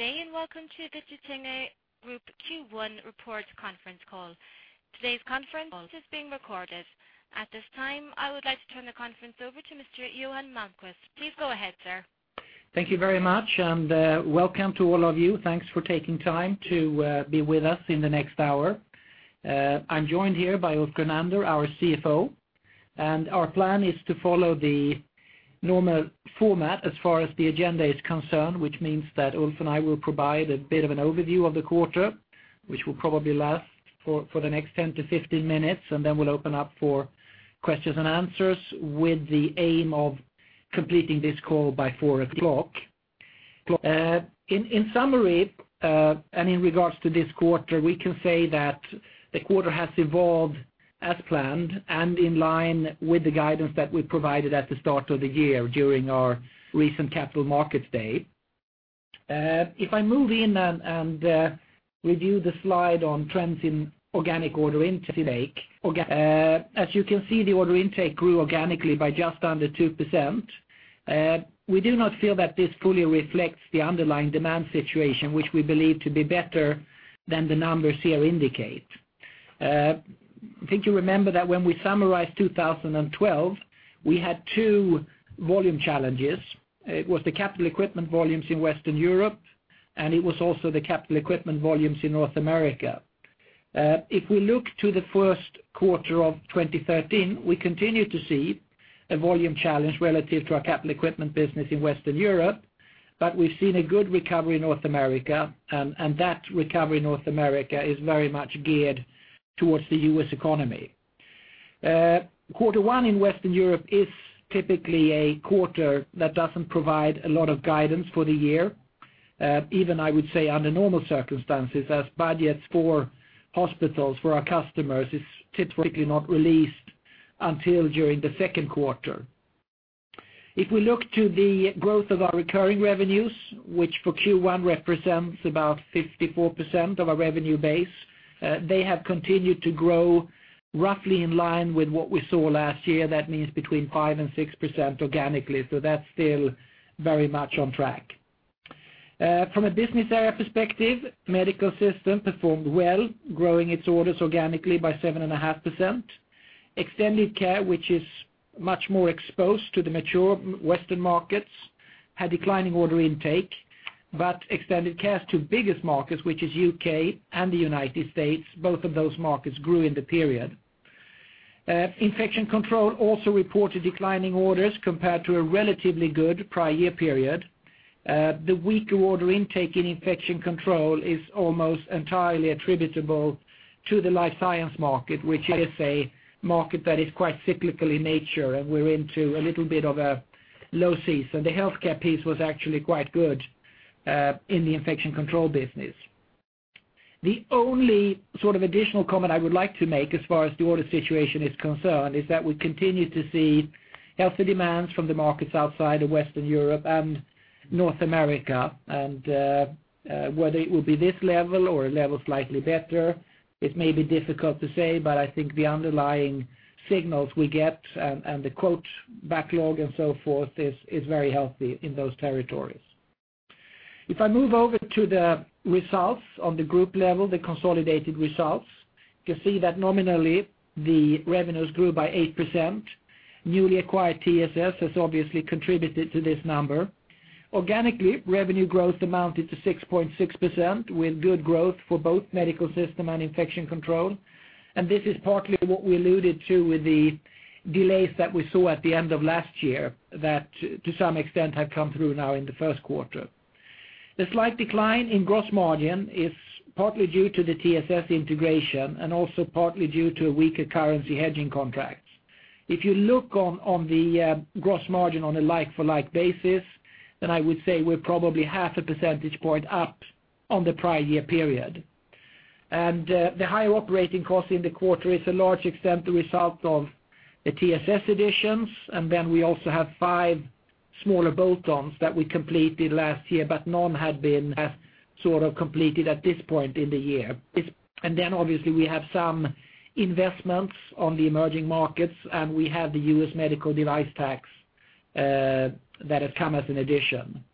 Good day, and welcome to the Getinge Group Q1 Report Conference Call. Today's conference is being recorded. At this time, I would like to turn the conference over to Mr. Johan Malmquist. Please go ahead, sir. Thank you very much, and welcome to all of you. Thanks for taking time to be with us in the next hour. I'm joined here by Ulf Grunander, our CFO, and our plan is to follow the normal format as far as the agenda is concerned, which means that Ulf and I will provide a bit of an overview of the quarter, which will probably last for the next 10minutes-15 minutes, and then we'll open up for questions and answers, with the aim of completing this call by 4:00 P.M. In summary, in regards to this quarter, we can say that the quarter has evolved as planned and in line with the guidance that we provided at the start of the year during our recent Capital Markets Day. If I move in and review the slide on trends in organic order intake. As you can see, the order intake grew organically by just under 2%. We do not feel that this fully reflects the underlying demand situation, which we believe to be better than the numbers here indicate. I think you remember that when we summarized 2012, we had two volume challenges. It was the capital equipment volumes in Western Europe, and it was also the capital equipment volumes in North America. If we look to the first quarter of 2013, we continue to see a volume challenge relative to our capital equipment business in Western Europe, but we've seen a good recovery in North America, and that recovery in North America is very much geared towards the U.S. economy. Quarter one in Western Europe is typically a quarter that doesn't provide a lot of guidance for the year. Even, I would say, under normal circumstances, as budgets for hospitals, for our customers, is typically not released until during the second quarter. If we look to the growth of our recurring revenues, which for Q1 represents about 54% of our revenue base, they have continued to grow roughly in line with what we saw last year. That means between 5%-6% organically, so that's still very much on track. From a business area perspective, Medical Systems performed well, growing its orders organically by 7.5%. Extended Care, which is much more exposed to the mature Western markets, had declining order intake, but Extended Care's two biggest markets, which is UK and the United States, both of those markets grew in the period. Infection Control also reported declining orders compared to a relatively good prior year period. The weaker order intake in Infection Control is almost entirely attributable to the life science market, which is a market that is quite cyclical in nature, and we're into a little bit of a low season. The healthcare piece was actually quite good in the Infection Control business. The only sort of additional comment I would like to make as far as the order situation is concerned, is that we continue to see healthy demands from the markets outside of Western Europe and North America. Whether it will be this level or a level slightly better, it may be difficult to say, but I think the underlying signals we get and the quote backlog and so forth is very healthy in those territories. If I move over to the results on the group level, the consolidated results, you can see that nominally the revenues grew by 8%. Newly acquired TSS has obviously contributed to this number. Organically, revenue growth amounted to 6.6%, with good growth for both Medical System and Infection Control. This is partly what we alluded to with the delays that we saw at the end of last year, that to some extent have come through now in the first quarter. The slight decline in gross margin is partly due to the TSS integration and also partly due to weaker currency hedging contracts. If you look on the gross margin on a like-for-like basis, then I would say we're probably half a percentage point up on the prior year period. The higher operating cost in the quarter is a large extent the result of the TSS additions, and then we also have five smaller bolt-ons that we completed last year, but none had been as sort of completed at this point in the year. Then, obviously, we have some investments on the emerging markets, and we have the U.S. medical device tax that has come as an addition.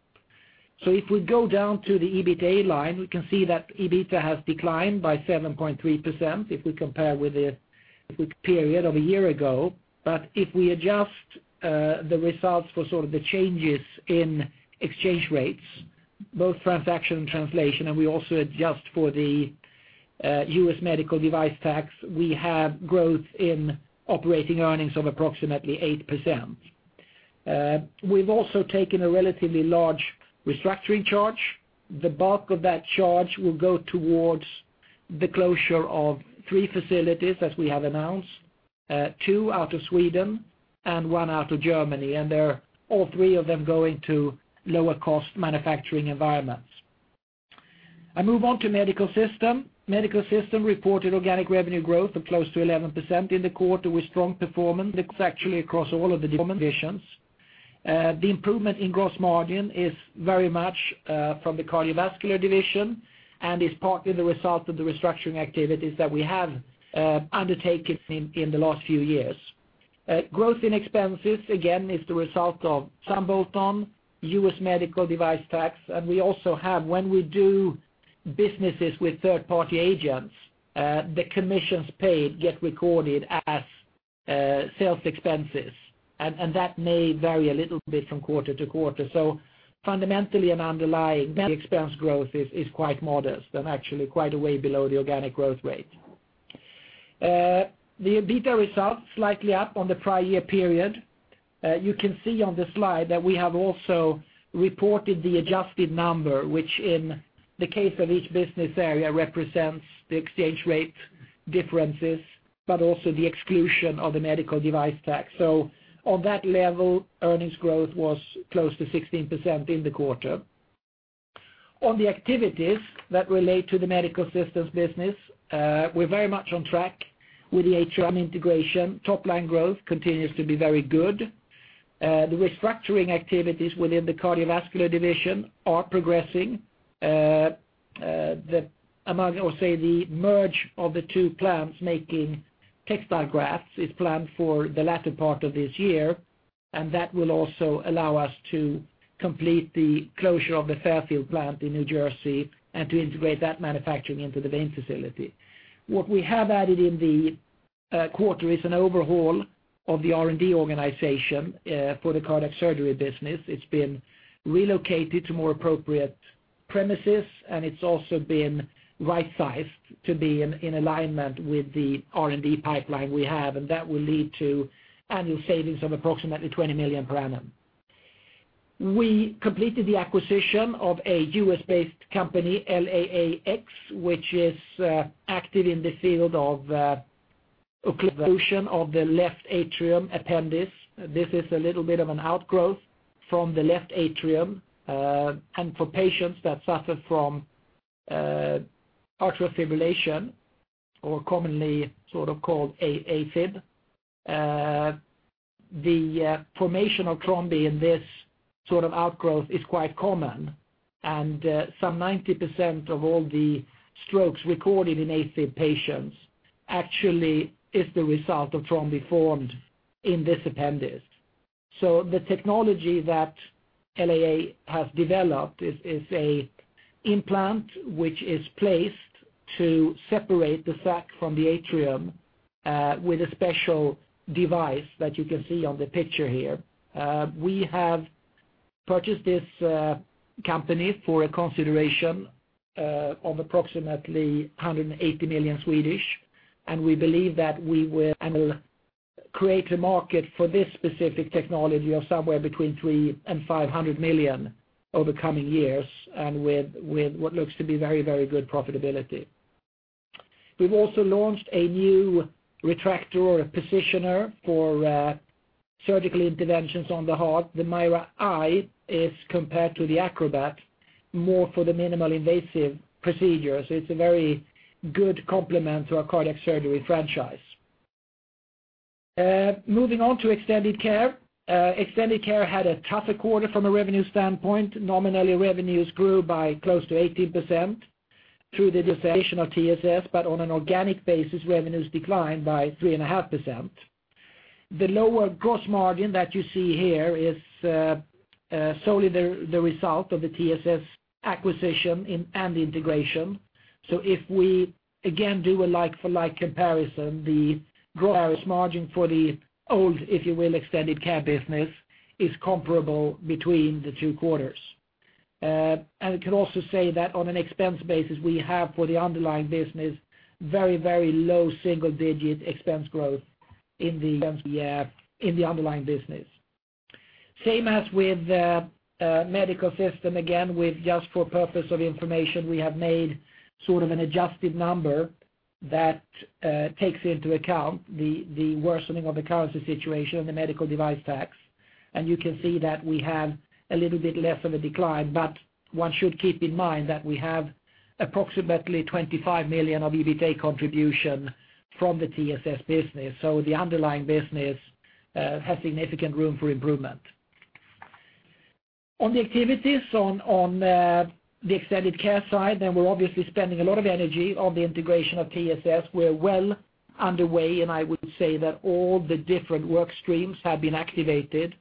So if we go down to the EBITA line, we can see that EBITA has declined by 7.3%, if we compare with the period of a year ago. But if we adjust, the results for sort of the changes in exchange rates, both transaction and translation, and we also adjust for the U.S. Medical Device Tax, we have growth in operating earnings of approximately 8%. We've also taken a relatively large restructuring charge. The bulk of that charge will go towards the closure of three facilities, as we have announced, two out of Sweden and one out of Germany, and they're all three of them going to lower cost manufacturing environments. I move on to Medical Systems. Medical Systems reported organic revenue growth of close to 11% in the quarter, with strong performance actually across all of the divisions. The improvement in gross margin is very much from the cardiovascular division and is partly the result of the restructuring activities that we have undertaken in the last few years. Growth in expenses, again, is the result of some bolt-on U.S. medical device tax, and we also have, when we do businesses with third-party agents, the commissions paid get recorded as sales expenses, and that may vary a little bit from quarter to quarter. So fundamentally, an underlying net expense growth is quite modest and actually quite a way below the organic growth rate. The EBITDA results slightly up on the prior year period. You can see on the slide that we have also reported the adjusted number, which in the case of each business area, represents the exchange rate differences, but also the exclusion of the Medical Device Tax. So on that level, earnings growth was close to 16% in the quarter. On the activities that relate to the medical systems business, we're very much on track with the Atrium integration. Top line growth continues to be very good. The restructuring activities within the cardiovascular division are progressing. The merger of the two plants making textile grafts is planned for the latter part of this year, and that will also allow us to complete the closure of the Fairfield plant in New Jersey and to integrate that manufacturing into the vein facility. What we have added in the quarter is an overhaul of the R&D organization for the cardiac surgery business. It's been relocated to more appropriate premises, and it's also been right-sized to be in alignment with the R&D pipeline we have, and that will lead to annual savings of approximately 20 million per annum. We completed the acquisition of a U.S.-based company, LAA, which is active in the field of occlusion of the left atrial appendage. This is a little bit of an outgrowth from the left atrium, and for patients that suffer from atrial fibrillation, or commonly sort of called AFib, the formation of thrombi in this sort of outgrowth is quite common. And some 90% of all the strokes recorded in AFib patients actually is the result of thrombi formed in this appendix. So the technology that LAA has developed is a implant, which is placed to separate the sac from the atrium, with a special device that you can see on the picture here. We have purchased this company for a consideration of approximately 180 million, and we believe that we will create a market for this specific technology of somewhere between 300 million and 500 million over coming years, and with what looks to be very, very good profitability. We've also launched a new retractor or a positioner for surgical interventions on the heart. The MIRA, compared to the Acrobat, is more for the minimally invasive procedures. It's a very good complement to our cardiac surgery franchise. Moving on to extended care. Extended care had a tougher quarter from a revenue standpoint. Nominally, revenues grew by close to 18% through the definition of TSS, but on an organic basis, revenues declined by 3.5%. The lower gross margin that you see here is solely the result of the TSS acquisition in and the integration. So if we again do a like-for-like comparison, the gross margin for the old, if you will, extended care business is comparable between the two quarters. And we can also say that on an expense basis, we have for the underlying business very, very low single-digit expense growth in the underlying business. Same as with Medical Systems, again, with just for purpose of information, we have made sort of an adjusted number that takes into account the worsening of the currency situation and the Medical Device Tax. You can see that we have a little bit less of a decline, but one should keep in mind that we have approximately 25 million of EBITA contribution from the TSS business, so the underlying business has significant room for improvement. On the activities on the extended care side, then we're obviously spending a lot of energy on the integration of TSS. We're well underway, and I would say that all the different work streams have been activated.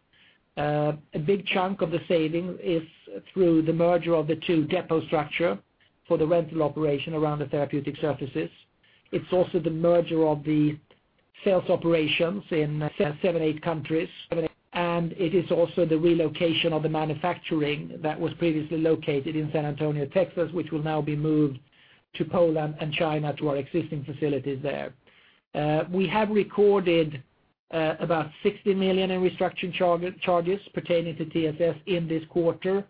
A big chunk of the saving is through the merger of the two depot structure for the rental operation around the therapeutic surfaces. It's also the merger of the sales operations in seven to eight countries. It is also the relocation of the manufacturing that was previously located in San Antonio, Texas, which will now be moved to Poland and China, to our existing facilities there. We have recorded about 60 million in restructuring charge, charges pertaining to TSS in this quarter,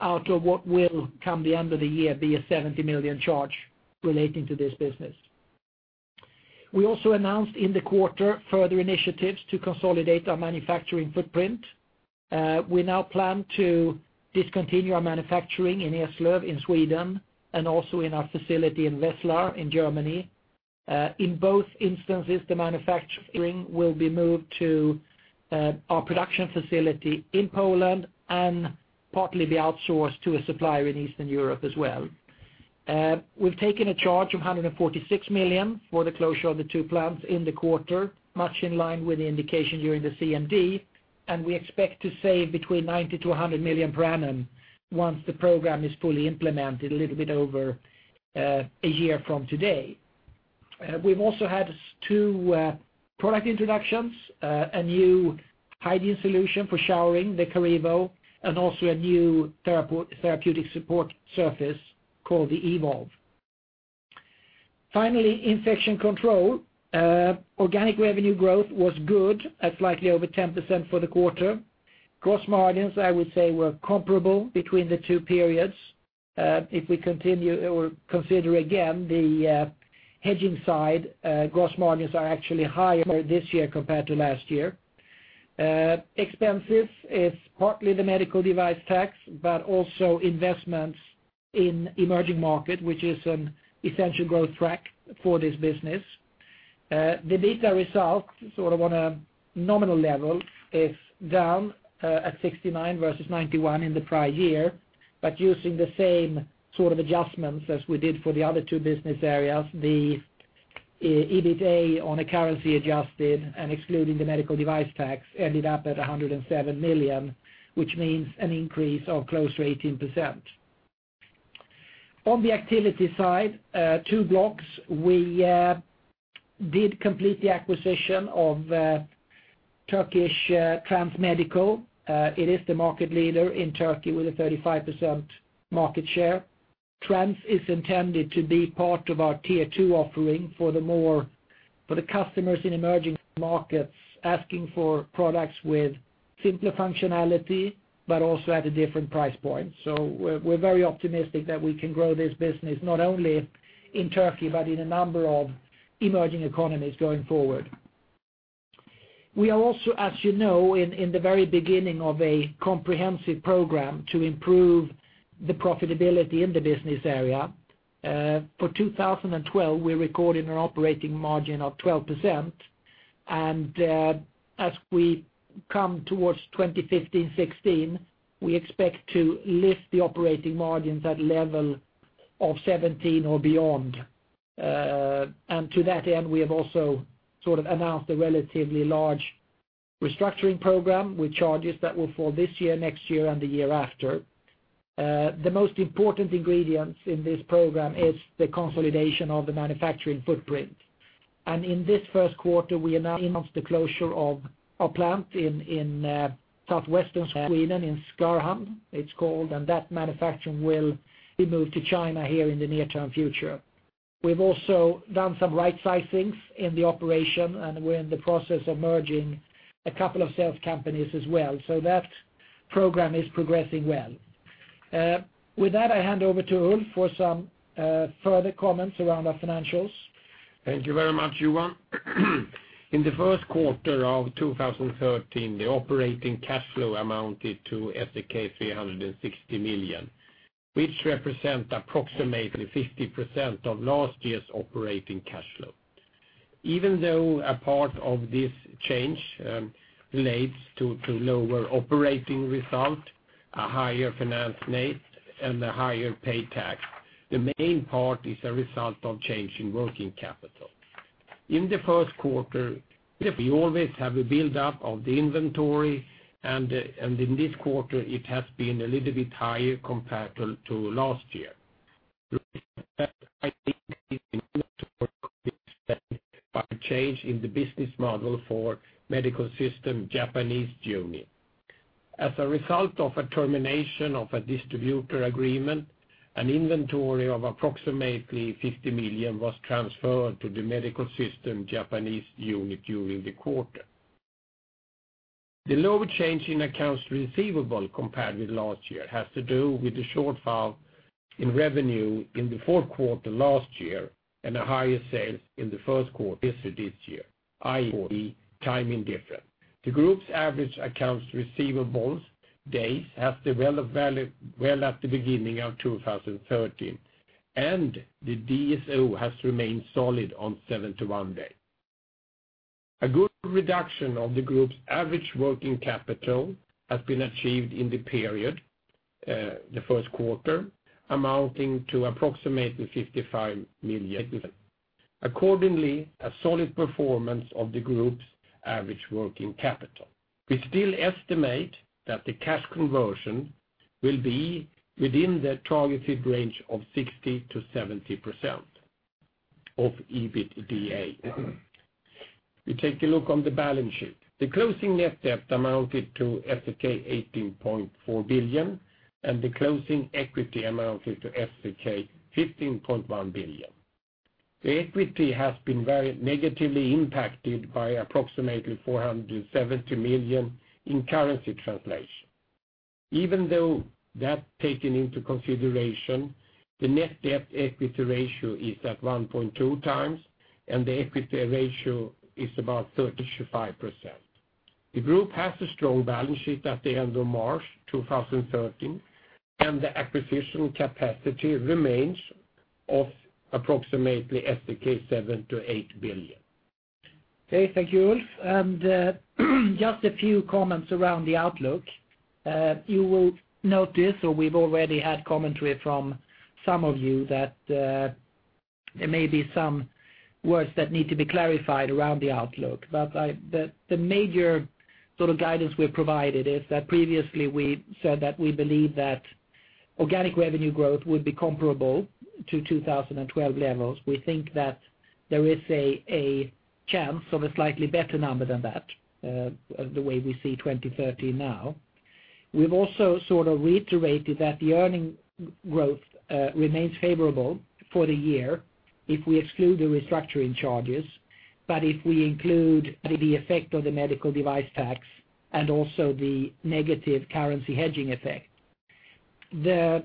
out of what will come the end of the year, be a 70 million charge relating to this business. We also announced in the quarter, further initiatives to consolidate our manufacturing footprint. We now plan to discontinue our manufacturing in Eslöv, in Sweden, and also in our facility in Wesseling, in Germany. In both instances, the manufacturing will be moved to our production facility in Poland and partly be outsourced to a supplier in Eastern Europe as well. We've taken a charge of 146 million for the closure of the two plants in the quarter, much in line with the indication during the CMD, and we expect to save between 90 million-100 million per annum once the program is fully implemented, a little bit over a year from today. We've also had two product introductions, a new hygiene solution for showering, the Carevo, and also a new therapeutic support surface called the Evolve. Finally, infection control. Organic revenue growth was good, at slightly over 10% for the quarter. Gross margins, I would say, were comparable between the two periods. If we continue or consider again the hedging side, gross margins are actually higher this year compared to last year. Expenses is partly the Medical Device Tax, but also investments in emerging market, which is an essential growth track for this business. The EBITDA results, sort of on a nominal level, is down at 69 versus 91 in the prior year, but using the same sort of adjustments as we did for the other two business areas, the EBITDA on a currency adjusted and excluding the Medical Device Tax, ended up at 107 million, which means an increase of close to 18%. On the activity side, two blocks, we did complete the acquisition of Turkish Trans Medikal. It is the market leader in Turkey with a 35% market share. Trans Medical is intended to be part of our tier two offering for the more, for the customers in emerging markets, asking for products with simpler functionality, but also at a different price point. So we're, we're very optimistic that we can grow this business, not only in Turkey, but in a number of emerging economies going forward. We are also, as you know, in, in the very beginning of a comprehensive program to improve the profitability in the business area. For 2012, we recorded an operating margin of 12%, and, as we come towards 2015, 2016, we expect to lift the operating margins at level of 17% or beyond. And to that end, we have also sort of announced a relatively large restructuring program with charges that will fall this year, next year, and the year after. The most important ingredients in this program is the consolidation of the manufacturing footprint. In this first quarter, we announced the closure of a plant in southwestern Sweden, in Skärhamn it's called, and that manufacturing will be moved to China here in the near-term future. We've also done some right sizings in the operation, and we're in the process of merging a couple of sales companies as well. So that program is progressing well. With that, I hand over to Ulf for some further comments around our financials. Thank you very much, Johan. In the first quarter of 2013, the operating cash flow amounted to SEK 360 million, which represent approximately 50% of last year's operating cash flow. Even though a part of this change relates to lower operating result, a higher finance net, and a higher pay tax, the main part is a result of change in working capital. In the first quarter, we always have a build-up of the inventory, and in this quarter, it has been a little bit higher compared to last year. By a change in the business model for Medical Systems, Japanese unit. As a result of a termination of a distributor agreement, an inventory of approximately 50 million was transferred to the Medical Systems, Japanese unit during the quarter. The lower change in accounts receivable compared with last year, has to do with the shortfall in revenue in the fourth quarter last year, and a higher sales in the first quarter this year, i.e., timing different. The group's average accounts receivables days have developed value well at the beginning of 2013, and the DSO has remained solid on 71 days. A good reduction of the group's average working capital has been achieved in the period, the first quarter, amounting to approximately 55 million. Accordingly, a solid performance of the group's average working capital. We still estimate that the cash conversion will be within the targeted range of 60%-70% of EBITDA. We take a look on the balance sheet. The closing net debt amounted to SEK 18.4 billion, and the closing equity amounted to SEK 15.1 billion. The equity has been very negatively impacted by approximately 470 million in currency translation. Even though that taken into consideration, the net debt equity ratio is at 1.2x, and the equity ratio is about 35%. The group has a strong balance sheet at the end of March 2013, and the acquisition capacity remains of approximately 7 billion-8 billion. ... Okay, thank you, Ulf. And, just a few comments around the outlook. You will notice, or we've already had commentary from some of you, that there may be some words that need to be clarified around the outlook. But the major sort of guidance we've provided is that previously we said that we believe that organic revenue growth would be comparable to 2012 levels. We think that there is a chance of a slightly better number than that, the way we see 2013 now. We've also sort of reiterated that the earnings growth remains favorable for the year if we exclude the restructuring charges, but if we include the effect of the medical device tax and also the negative currency hedging effect. The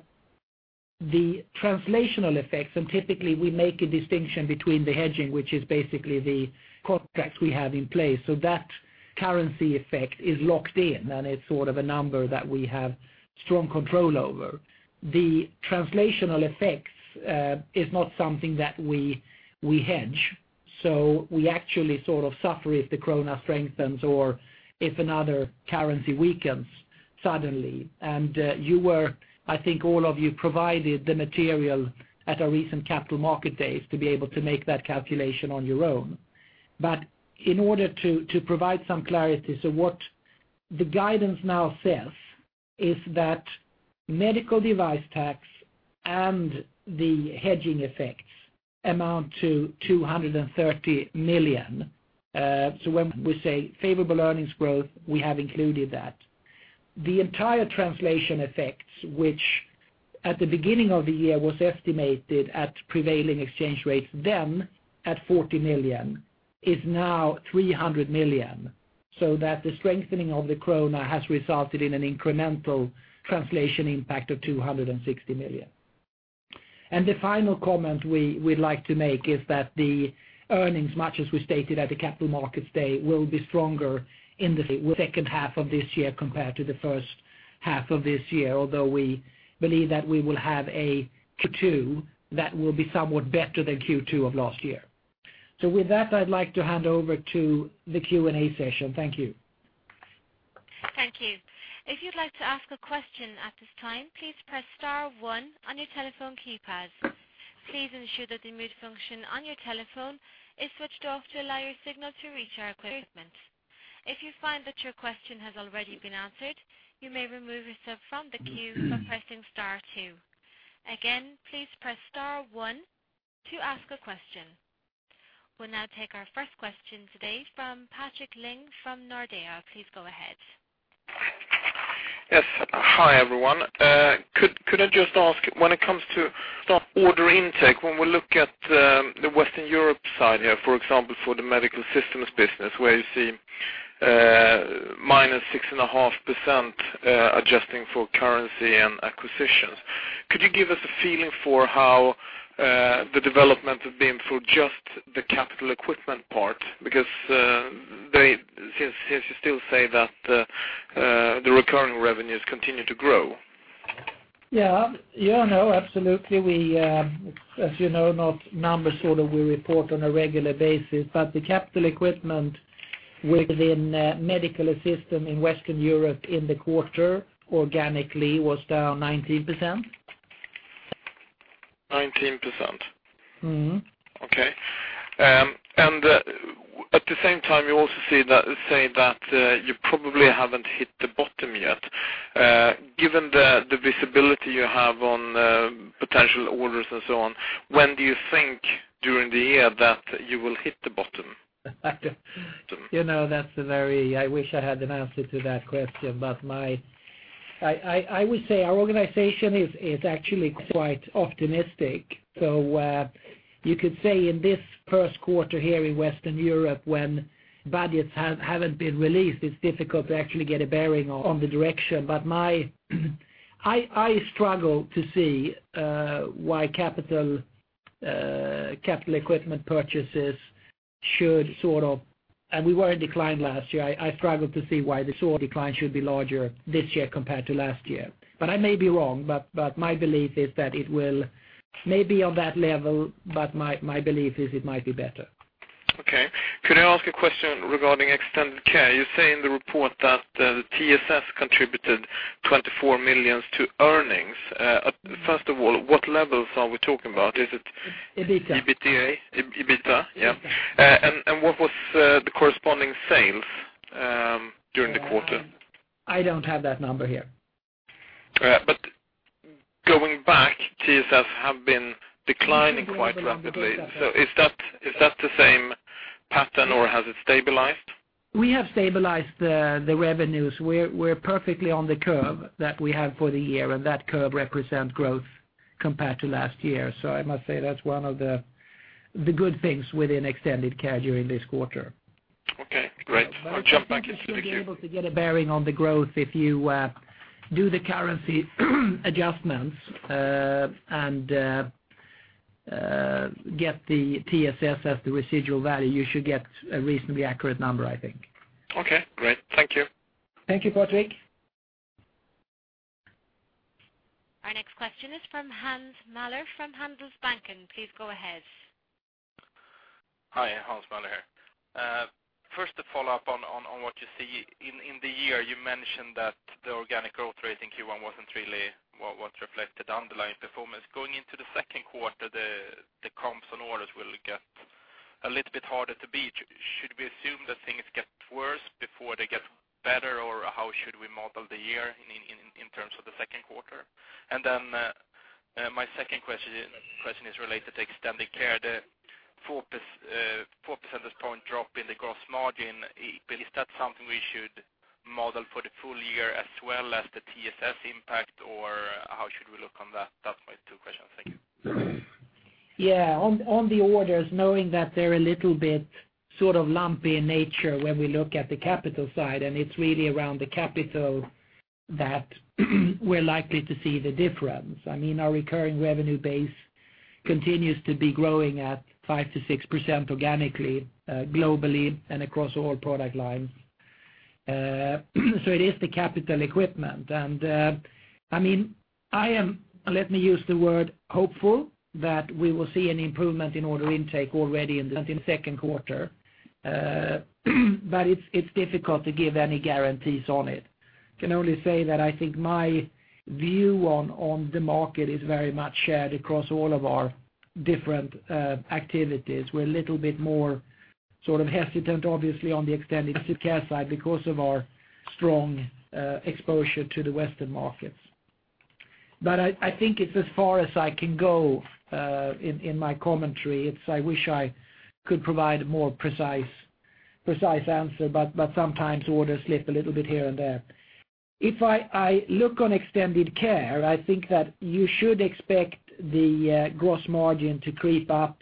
translational effects, and typically we make a distinction between the hedging, which is basically the contracts we have in place, so that currency effect is locked in, and it's sort of a number that we have strong control over. The translational effects is not something that we hedge, so we actually sort of suffer if the krona strengthens or if another currency weakens suddenly. You were, I think all of you provided the material at a recent Capital Markets Day to be able to make that calculation on your own. But in order to provide some clarity, so what the guidance now says is that Medical Device Tax and the hedging effects amount to 230 million. So when we say favorable earnings growth, we have included that. The entire translation effects, which at the beginning of the year was estimated at prevailing exchange rates, then at 40 million, is now 300 million, so that the strengthening of the krona has resulted in an incremental translation impact of 260 million. The final comment we'd like to make is that the earnings, much as we stated at the Capital Markets Day, will be stronger in the second half of this year compared to the first half of this year, although we believe that we will have a Q2 that will be somewhat better than Q2 of last year. With that, I'd like to hand over to the Q&A session. Thank you. Thank you. If you'd like to ask a question at this time, please press star one on your telephone keypad. Please ensure that the mute function on your telephone is switched off to allow your signal to reach our equipment. If you find that your question has already been answered, you may remove yourself from the queue by pressing star two. Again, please press star one to ask a question. We'll now take our first question today from Patrik Ling from Nordea. Please go ahead. Yes. Hi, everyone. Could I just ask, when it comes to stock order intake, when we look at the Western Europe side here, for example, for the medical systems business, where you see -6.5%, adjusting for currency and acquisitions. Could you give us a feeling for how the development has been for just the capital equipment part? Because since you still say that the recurring revenues continue to grow. Yeah, yeah, no, absolutely. We, as you know, not numbers sort of we report on a regular basis, but the capital equipment within Medical Systems in Western Europe in the quarter, organically, was down 19%. Nineteen percent? Mm-hmm. Okay. And at the same time, you also see that you probably haven't hit the bottom yet. Given the visibility you have on potential orders and so on, when do you think during the year that you will hit the bottom? You know, that's a very... I wish I had an answer to that question, but my-- I would say our organization is actually quite optimistic. So, you could say in this first quarter here in Western Europe, when budgets haven't been released, it's difficult to actually get a bearing on the direction. But I struggle to see why capital equipment purchases should sort of, and we were in decline last year. I struggle to see why the sort of decline should be larger this year compared to last year. But I may be wrong, but my belief is that it will maybe on that level, but my belief is it might be better. Okay. Could I ask a question regarding extended care? You say in the report that TSS contributed 24 million to earnings. First of all, what levels are we talking about? Is it- EBITA. EBITA? EBITDA, yeah. Yeah. What was the corresponding sales during the quarter? I don't have that number here. But going back, TSS have been declining quite rapidly. So is that, is that the same pattern, or has it stabilized? We have stabilized the revenues. We're perfectly on the curve that we have for the year, and that curve represents growth compared to last year. So I must say that's one of the good things within Extended Care during this quarter. Okay, great. I'll get back in touch with you. You should be able to get a bearing on the growth if you do the currency adjustments and get the TSS as the residual value. You should get a reasonably accurate number, I think. Okay, great. Thank you. Thank you, Patrik. ...Our next question is from Hans Mähler, from Handelsbanken. Please go ahead. Hi, Hans Mähler here. First, to follow up on what you see in the year, you mentioned that the organic growth rate in Q1 wasn't really what reflected underlying performance. Going into the second quarter, the comps and orders will get a little bit harder to beat. Should we assume that things get worse before they get better, or how should we model the year in terms of the second quarter? And then, my second question is related to extended care, the 4 percentage point drop in the gross margin, is that something we should model for the full year as well as the TSS impact, or how should we look on that? That's my two questions. Thank you. Yeah, on the orders, knowing that they're a little bit sort of lumpy in nature when we look at the capital side, and it's really around the capital that we're likely to see the difference. I mean, our recurring revenue base continues to be growing at 5%-6% organically, globally and across all product lines. So it is the capital equipment. And, I mean, I am, let me use the word, hopeful, that we will see an improvement in order intake already in the second quarter. But it's difficult to give any guarantees on it. I can only say that I think my view on the market is very much shared across all of our different activities. We're a little bit more sort of hesitant, obviously, on the extended care side because of our strong exposure to the Western markets. But I think it's as far as I can go in my commentary. I wish I could provide a more precise answer, but sometimes orders slip a little bit here and there. If I look on extended care, I think that you should expect the gross margin to creep up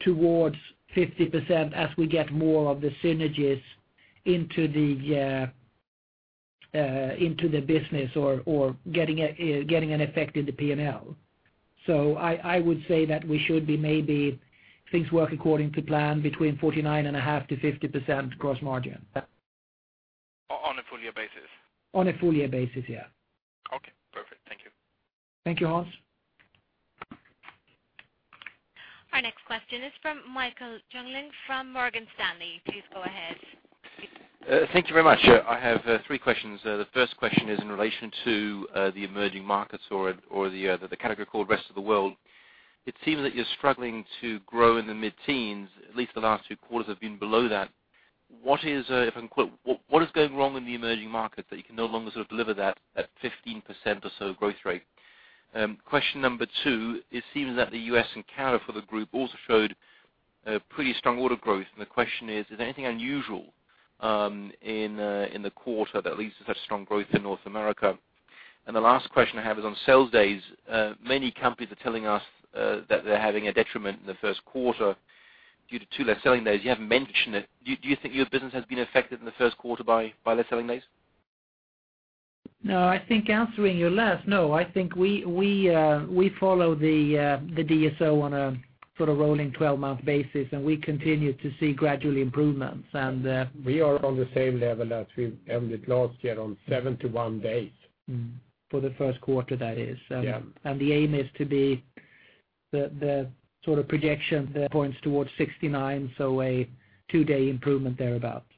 towards 50% as we get more of the synergies into the business or getting an effect in the P&L. So I would say that we should be maybe, if things work according to plan, between 49.5% and 50% gross margin. On a full year basis? On a full year basis, yeah. Okay, perfect. Thank you. Thank you, Hans. Our next question is from Michael Jüngling from Morgan Stanley. Please go ahead. Thank you very much. I have three questions. The first question is in relation to the emerging markets or the category called Rest of the World. It seems that you're struggling to grow in the mid-teens, at least the last two quarters have been below that. What is, if I can quote, "What is going wrong in the emerging market that you can no longer sort of deliver that fifteen percent or so growth rate?" Question number two, it seems that the U.S. and Canada for the group also showed pretty strong order growth, and the question is: Is there anything unusual in the quarter that leads to such strong growth in North America? The last question I have is on sales days. Many companies are telling us that they're having a detriment in the first quarter due to 2 less selling days. You haven't mentioned it. Do you think your business has been affected in the first quarter by less selling days? No, I think we follow the DSO on a sort of rolling twelve-month basis, and we continue to see gradual improvements. And, We are on the same level as we ended last year on 71 days. Mm-hmm. For the first quarter, that is. Yeah. The aim is to be the sort of projection that points towards 69, so a 2-day improvement thereabout. No,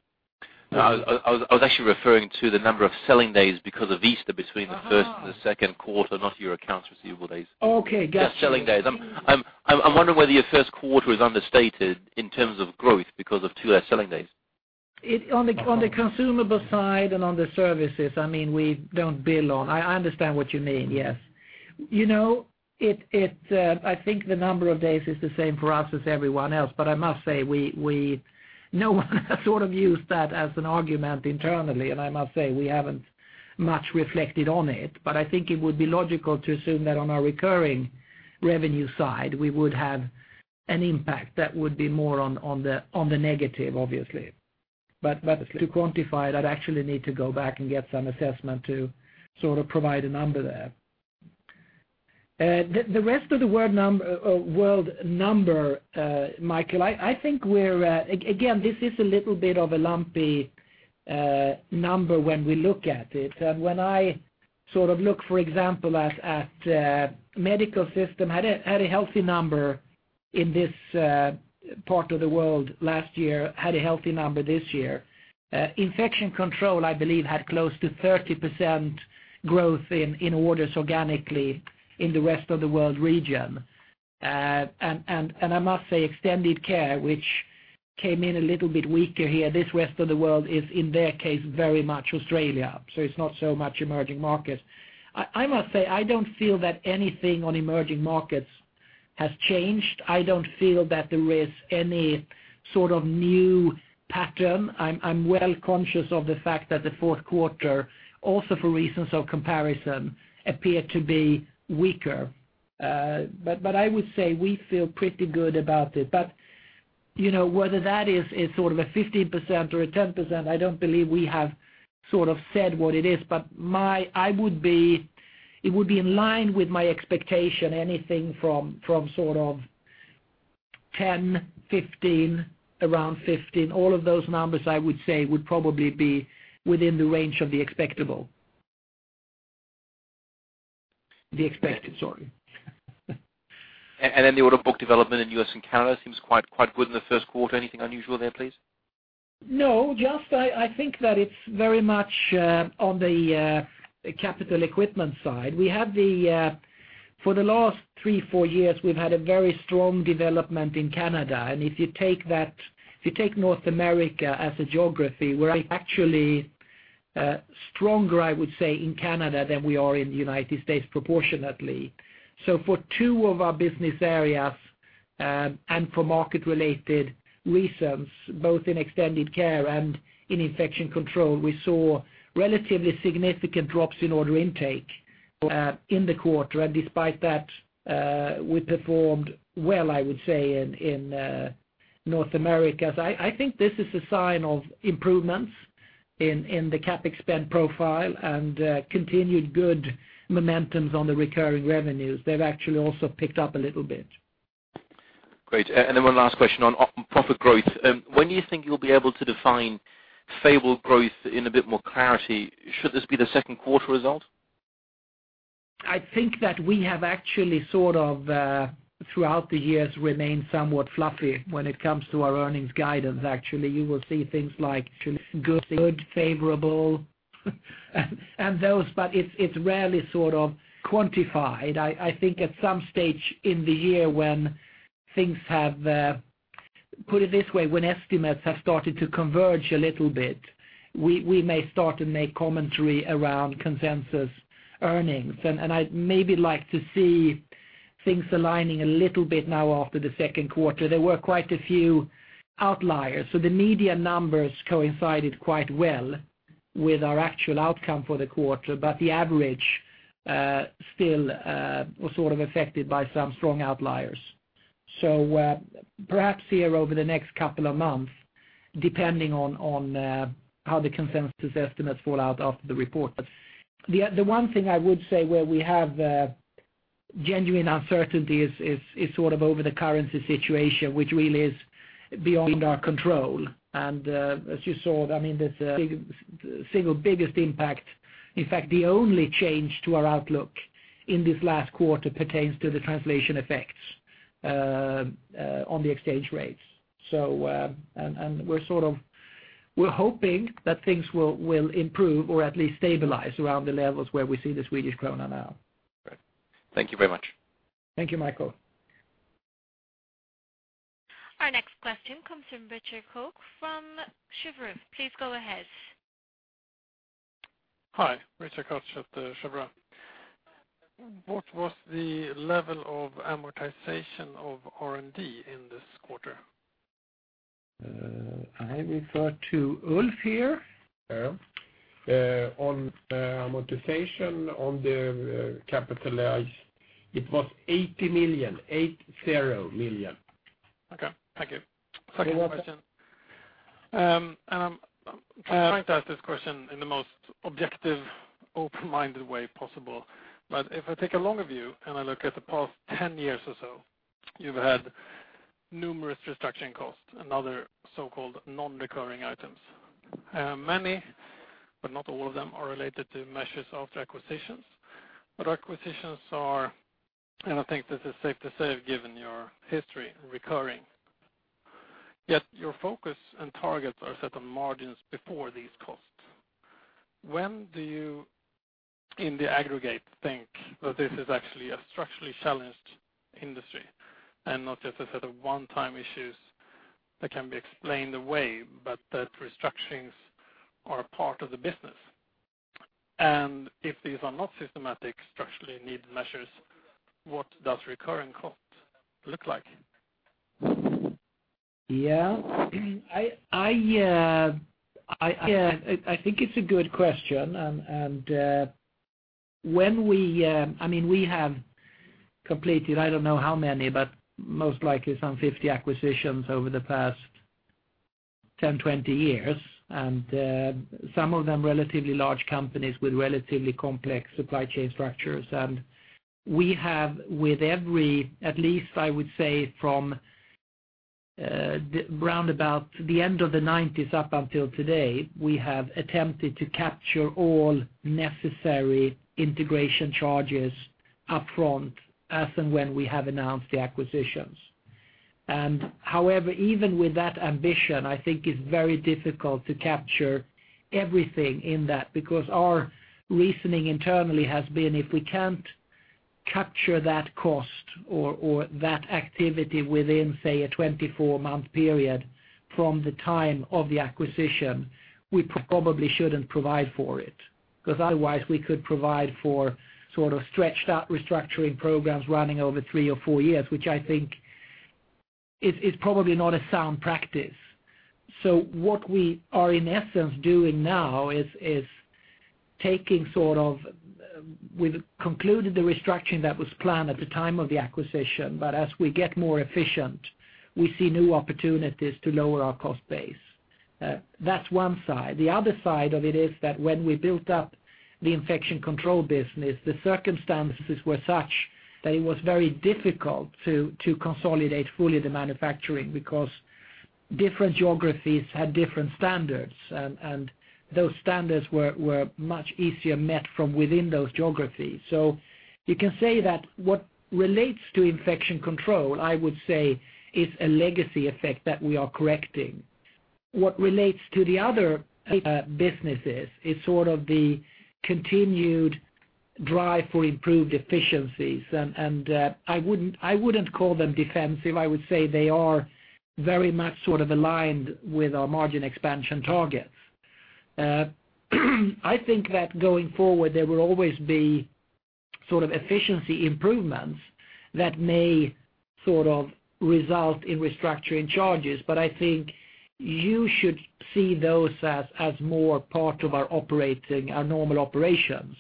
I was actually referring to the number of selling days because of Easter between- Ah. the first and the second quarter, not your accounts receivable days. Okay, got you. The selling days. I'm wondering whether your first quarter is understated in terms of growth because of two less selling days? On the consumable side and on the services, I mean, we don't bill on... I understand what you mean, yes. You know, it, I think the number of days is the same for us as everyone else, but I must say, we, no one has sort of used that as an argument internally, and I must say, we haven't much reflected on it. But I think it would be logical to assume that on our recurring revenue side, we would have an impact that would be more on the negative, obviously. But to quantify that, I'd actually need to go back and get some assessment to sort of provide a number there. The rest of the world number, Michael, I think we're again, this is a little bit of a lumpy number when we look at it. When I sort of look, for example, at Medical Systems, had a healthy number in this part of the world last year, had a healthy number this year. Infection Control, I believe, had close to 30% growth in orders organically in the rest of the world region. And I must say, Extended Care, which came in a little bit weaker here, this rest of the world is, in their case, very much Australia, so it's not so much emerging markets. I must say, I don't feel that anything on emerging markets has changed. I don't feel that there is any sort of new pattern. I'm well conscious of the fact that the fourth quarter, also for reasons of comparison, appeared to be weaker. But, but I would say we feel pretty good about it. But, you know, whether that is, is sort of a 15% or a 10%, I don't believe we have sort of said what it is, but my-- I would be-- it would be in line with my expectation, anything from, from sort of 10-... 10, 15, around 15. All of those numbers, I would say, would probably be within the range of the expectable. The expected, sorry. The order book development in U.S. and Canada seems quite, quite good in the first quarter. Anything unusual there, please? No, just, I think that it's very much on the capital equipment side. We have, for the last three, four years, we've had a very strong development in Canada. And if you take that, if you take North America as a geography, we're actually stronger, I would say, in Canada than we are in the United States, proportionately. So for two of our business areas, and for market-related reasons, both in Extended Care and in Infection Control, we saw relatively significant drops in order intake in the quarter. And despite that, we performed well, I would say, in North America. So I think this is a sign of improvements in the CapEx spend profile and continued good momentums on the recurring revenues. They've actually also picked up a little bit. Great. One last question on operating profit growth. When do you think you'll be able to define favorable growth in a bit more clarity? Should this be the second quarter result? I think that we have actually, sort of, throughout the years, remained somewhat fluffy when it comes to our earnings guidance, actually. You will see things like good, good, favorable, and those, but it's, it's rarely sort of quantified. I, I think at some stage in the year when things have, put it this way, when estimates have started to converge a little bit, we, we may start to make commentary around consensus earnings. And, and I'd maybe like to see things aligning a little bit now after the second quarter. There were quite a few outliers, so the median numbers coincided quite well with our actual outcome for the quarter, but the average, still, was sort of affected by some strong outliers. So, perhaps here over the next couple of months, depending on, on, how the consensus estimates fall out after the report. But the one thing I would say where we have genuine uncertainty is sort of over the currency situation, which really is beyond our control. And as you saw, I mean, this single biggest impact, in fact, the only change to our outlook in this last quarter pertains to the translation effects on the exchange rates. So and we're sort of we're hoping that things will improve or at least stabilize around the levels where we see the Swedish krona now. Great. Thank you very much. Thank you, Michael. Our next question comes from Richard Koch from Cheuvreux. Please go ahead. Hi, Richard Koch at Cheuvreux. What was the level of amortization of R&D in this quarter? I refer to Ulf here. Yeah. On amortization, on the CapEx, it was 80 million, 80 million. Okay, thank you. You're welcome. Second question. I'm trying to ask this question in the most objective, open-minded way possible. But if I take a longer view, and I look at the past 10 years or so, you've had numerous restructuring costs and other so-called non-recurring items. Many, but not all of them, are related to measures of the acquisitions. But acquisitions are, and I think this is safe to say, given your history, recurring. Yet your focus and targets are set on margins before these costs. When do you, in the aggregate, think that this is actually a structurally challenged industry and not just a set of one-time issues that can be explained away, but that restructurings are a part of the business? And if these are not systematic, structurally need measures, what does recurring costs look like? Yeah. I think it's a good question. And when we... I mean, we have completed, I don't know how many, but most likely some 50 acquisitions over the past 10 years, 20 years, and some of them relatively large companies with relatively complex supply chain structures. And we have with every, at least I would say from round about the end of the 1990s, up until today, we have attempted to capture all necessary integration charges upfront as and when we have announced the acquisitions. And however, even with that ambition, I think it's very difficult to capture everything in that, because our reasoning internally has been, if we can't capture that cost or that activity within, say, a 24-month period from the time of the acquisition, we probably shouldn't provide for it. Because otherwise we could provide for sort of stretched out restructuring programs running over three or four years, which I think is probably not a sound practice. So what we are, in essence, doing now is taking sort of—We've concluded the restructuring that was planned at the time of the acquisition, but as we get more efficient, we see new opportunities to lower our cost base. That's one side. The other side of it is that when we built up the Infection Control business, the circumstances were such that it was very difficult to consolidate fully the manufacturing because different geographies had different standards, and those standards were much easier met from within those geographies. So you can say that what relates to Infection Control, I would say, is a legacy effect that we are correcting. What relates to the other, businesses is sort of the continued drive for improved efficiencies, and, and, I wouldn't, I wouldn't call them defensive. I would say they are very much sort of aligned with our margin expansion targets. I think that going forward, there will always be sort of efficiency improvements that may sort of result in restructuring charges. But I think you should see those as, as more part of our operating, our normal operations.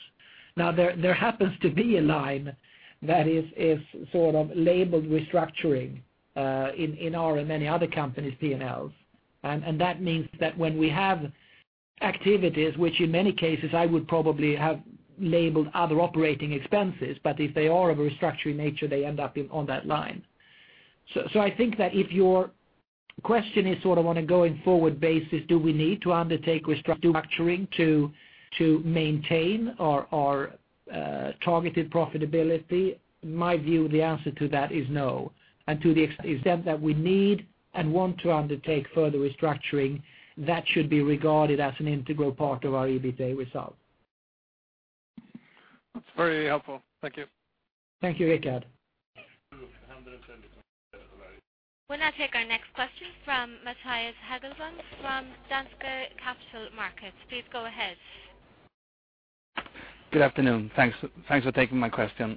Now, there, there happens to be a line that is, is sort of labeled restructuring, in, in our and many other companies' P&Ls. And, and that means that when we have activities, which in many cases I would probably have labeled other operating expenses, but if they are of a restructuring nature, they end up in on that line. So, I think that if your question is sort of on a going forward basis, do we need to undertake restructuring to maintain our targeted profitability? My view, the answer to that is no. And to the extent that we need and want to undertake further restructuring, that should be regarded as an integral part of our EBITA result. That's very helpful. Thank you. Thank you, Richard. We'll now take our next question from Mattias Häggman from Danske Capital Markets. Please go ahead. Good afternoon. Thanks, thanks for taking my question.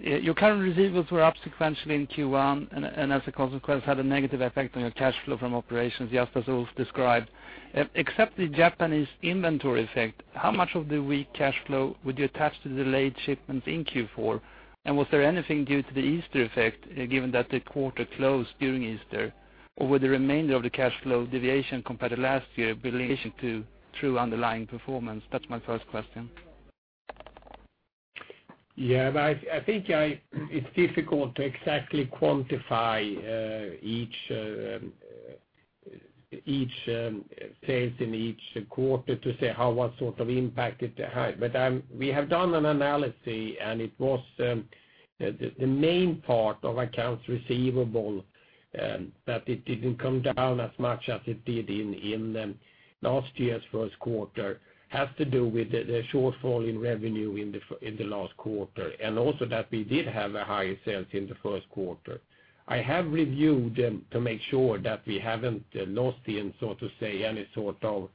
Your current receivables were up sequentially in Q1, and, and as a consequence, had a negative effect on your cash flow from operations, just as Ulf described. Except the Japanese inventory effect, how much of the weak cash flow would you attach to the late shipments in Q4? And was there anything due to the Easter effect, given that the quarter closed during Easter, or were the remainder of the cash flow deviation compared to last year be in relation to true underlying performance? That's my first question. Yeah, but I think it's difficult to exactly quantify each sales in each quarter to say how what sort of impact it had. But we have done an analysis, and it was the main part of accounts receivable that it didn't come down as much as it did in last year's first quarter, has to do with the shortfall in revenue in the last quarter, and also that we did have a higher sales in the first quarter. I have reviewed them to make sure that we haven't lost in, so to say, any sort of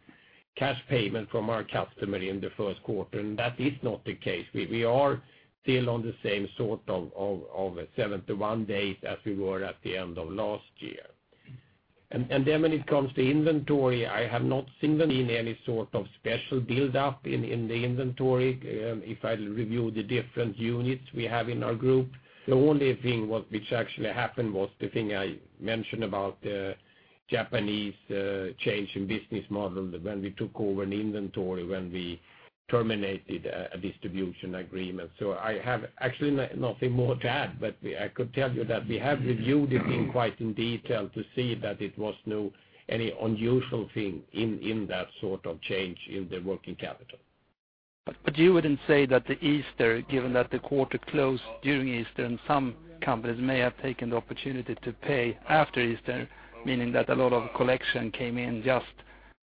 cash payment from our customer in the first quarter, and that is not the case. We are still on the same sort of 71 days as we were at the end of last year. Then when it comes to inventory, I have not seen any sort of special build-up in the inventory. If I review the different units we have in our group, the only thing which actually happened was the thing I mentioned about the Japanese change in business model when we took over an inventory, when we terminated a distribution agreement. So I have actually nothing more to add, but I could tell you that we have reviewed it in quite detail to see that it was no unusual thing in that sort of change in the working capital. But you wouldn't say that the Easter, given that the quarter closed during Easter, and some companies may have taken the opportunity to pay after Easter, meaning that a lot of collection came in just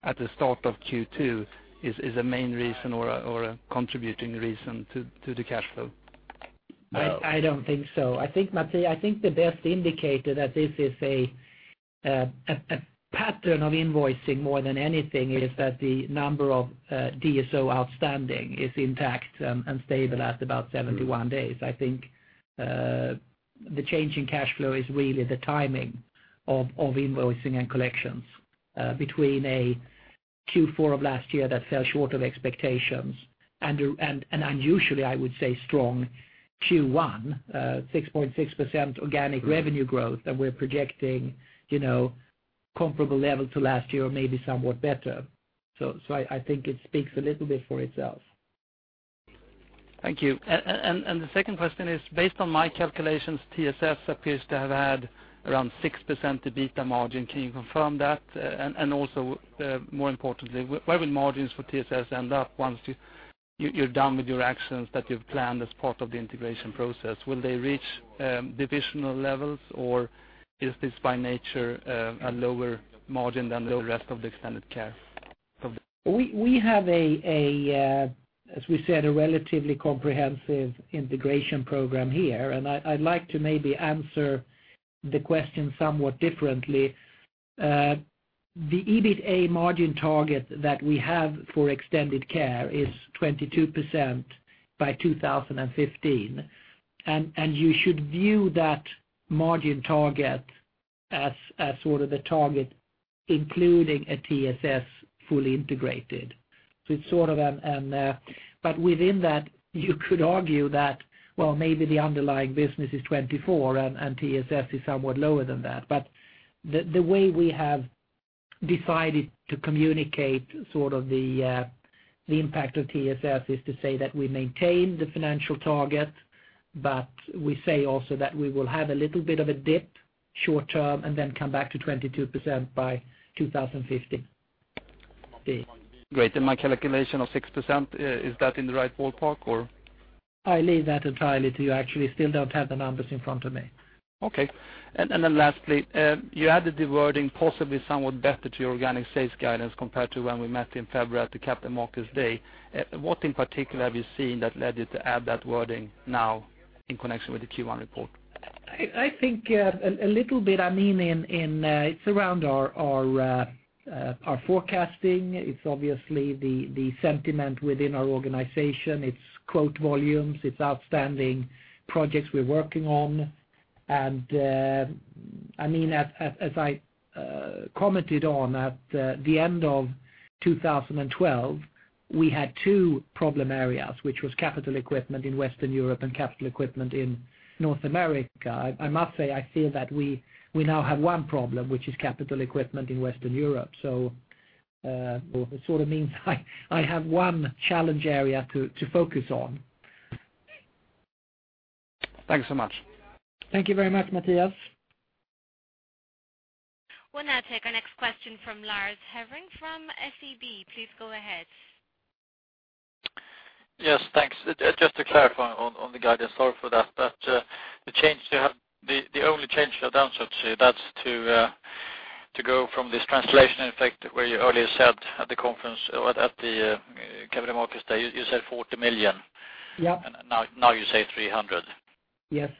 at the start of Q2, is a main reason or a contributing reason to the cash flow? I don't think so. I think, Mattias, the best indicator that this is a pattern of invoicing more than anything, is that the number of DSO outstanding is intact and stable at about 71 days. I think the change in cash flow is really the timing of invoicing and collections between a Q4 of last year that fell short of expectations and an unusually, I would say, strong Q1, 6.6% organic revenue growth that we're projecting, you know, comparable level to last year or maybe somewhat better. So I think it speaks a little bit for itself. Thank you. And the second question is, based on my calculations, TSS appears to have had around 6% EBITDA margin. Can you confirm that? And also, more importantly, where will margins for TSS end up once you're done with your actions that you've planned as part of the integration process? Will they reach divisional levels, or is this by nature a lower margin than the rest of the extended care? We have, as we said, a relatively comprehensive integration program here, and I'd like to maybe answer the question somewhat differently. The EBITA margin target that we have for Extended Care is 22% by 2015, and you should view that margin target as sort of the target, including a TSS fully integrated. So it's sort of, but within that, you could argue that, well, maybe the underlying business is 24%, and TSS is somewhat lower than that. But the way we have decided to communicate sort of the impact of TSS is to say that we maintain the financial target, but we say also that we will have a little bit of a dip short term and then come back to 22% by 2015. Great. My calculation of 6%, is that in the right ballpark, or? I leave that entirely to you. Actually, still don't have the numbers in front of me. Okay. Then lastly, you added the wording possibly somewhat better to your organic sales guidance compared to when we met in February at the Capital Markets Day. What in particular have you seen that led you to add that wording now in connection with the Q1 report? I think a little bit. I mean, it's around our forecasting. It's obviously the sentiment within our organization. It's growth volumes, it's outstanding projects we're working on. And I mean, as I commented on at the end of 2012, we had two problem areas, which was capital equipment in Western Europe and capital equipment in North America. I must say, I feel that we now have one problem, which is capital equipment in Western Europe. So it sort of means I have one challenge area to focus on. Thanks so much. Thank you very much, Mattias. We'll now take our next question from Lars Hevreng from SEB. Please go ahead. Yes, thanks. Just to clarify on the guidance, sorry for that, but the change you have, the only change you have down, so to say, that's to go from this translation effect where you earlier said at the conference or at the Capital Markets Day, you said 40 million. Yep. Now, now you say 300 million. Yes,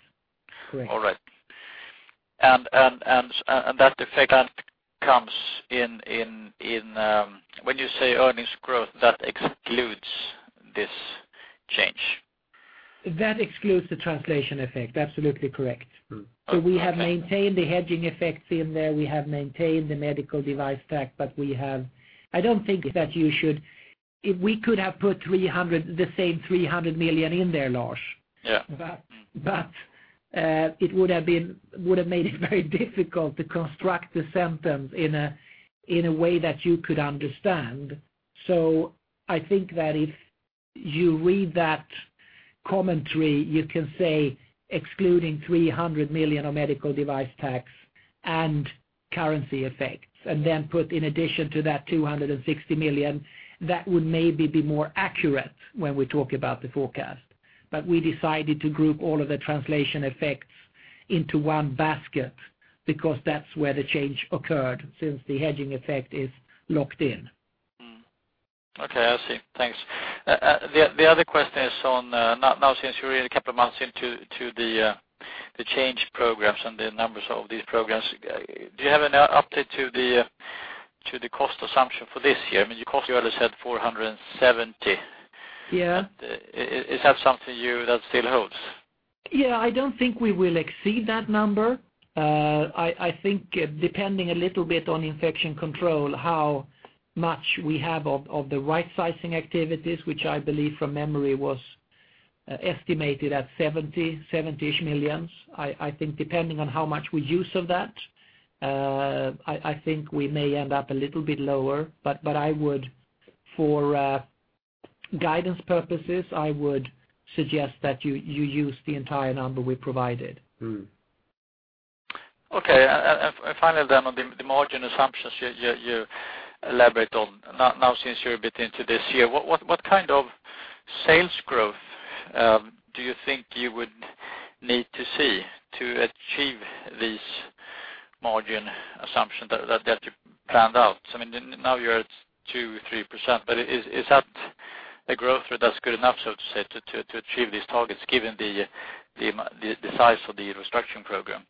correct. All right. And that effect comes in when you say earnings growth, that excludes this change? That excludes the translation effect. Absolutely correct. Mm-hmm. So we have maintained the hedging effects in there. We have maintained the Medical Device Tax, but we have—I don't think that you should... If we could have put 300 million, the same 300 million in there, Lars. Yeah. But it would have made it very difficult to construct the sentence in a way that you could understand. So I think that if you read that commentary, you can say excluding 300 million on Medical Device Tax and currency effects, and then put in addition to that, 260 million, that would maybe be more accurate when we talk about the forecast. But we decided to group all of the translation effects into one basket, because that's where the change occurred since the hedging effect is locked in. Mm-hmm. Okay, I see. Thanks. The other question is on now, now since you're a couple of months into the change programs and the numbers of these programs, do you have an update to the cost assumption for this year? I mean, you cost, you earlier said 470. Yeah. Is that something that still holds? Yeah, I don't think we will exceed that number. I think, depending a little bit on Infection Control, how much we have of the right sizing activities, which I believe from memory was estimated at 70 million-ish. I think depending on how much we use of that, I think we may end up a little bit lower, but I would for guidance purposes suggest that you use the entire number we provided. Mm-hmm. Okay. And finally, then, on the margin assumptions you elaborate on. Now, since you're a bit into this year, what kind of sales growth do you think you would need to see to achieve these margin assumptions that you planned out? So, I mean, now you're at 2%-3%, but is that a growth rate that's good enough, so to say, to achieve these targets, given the size of the restructuring program?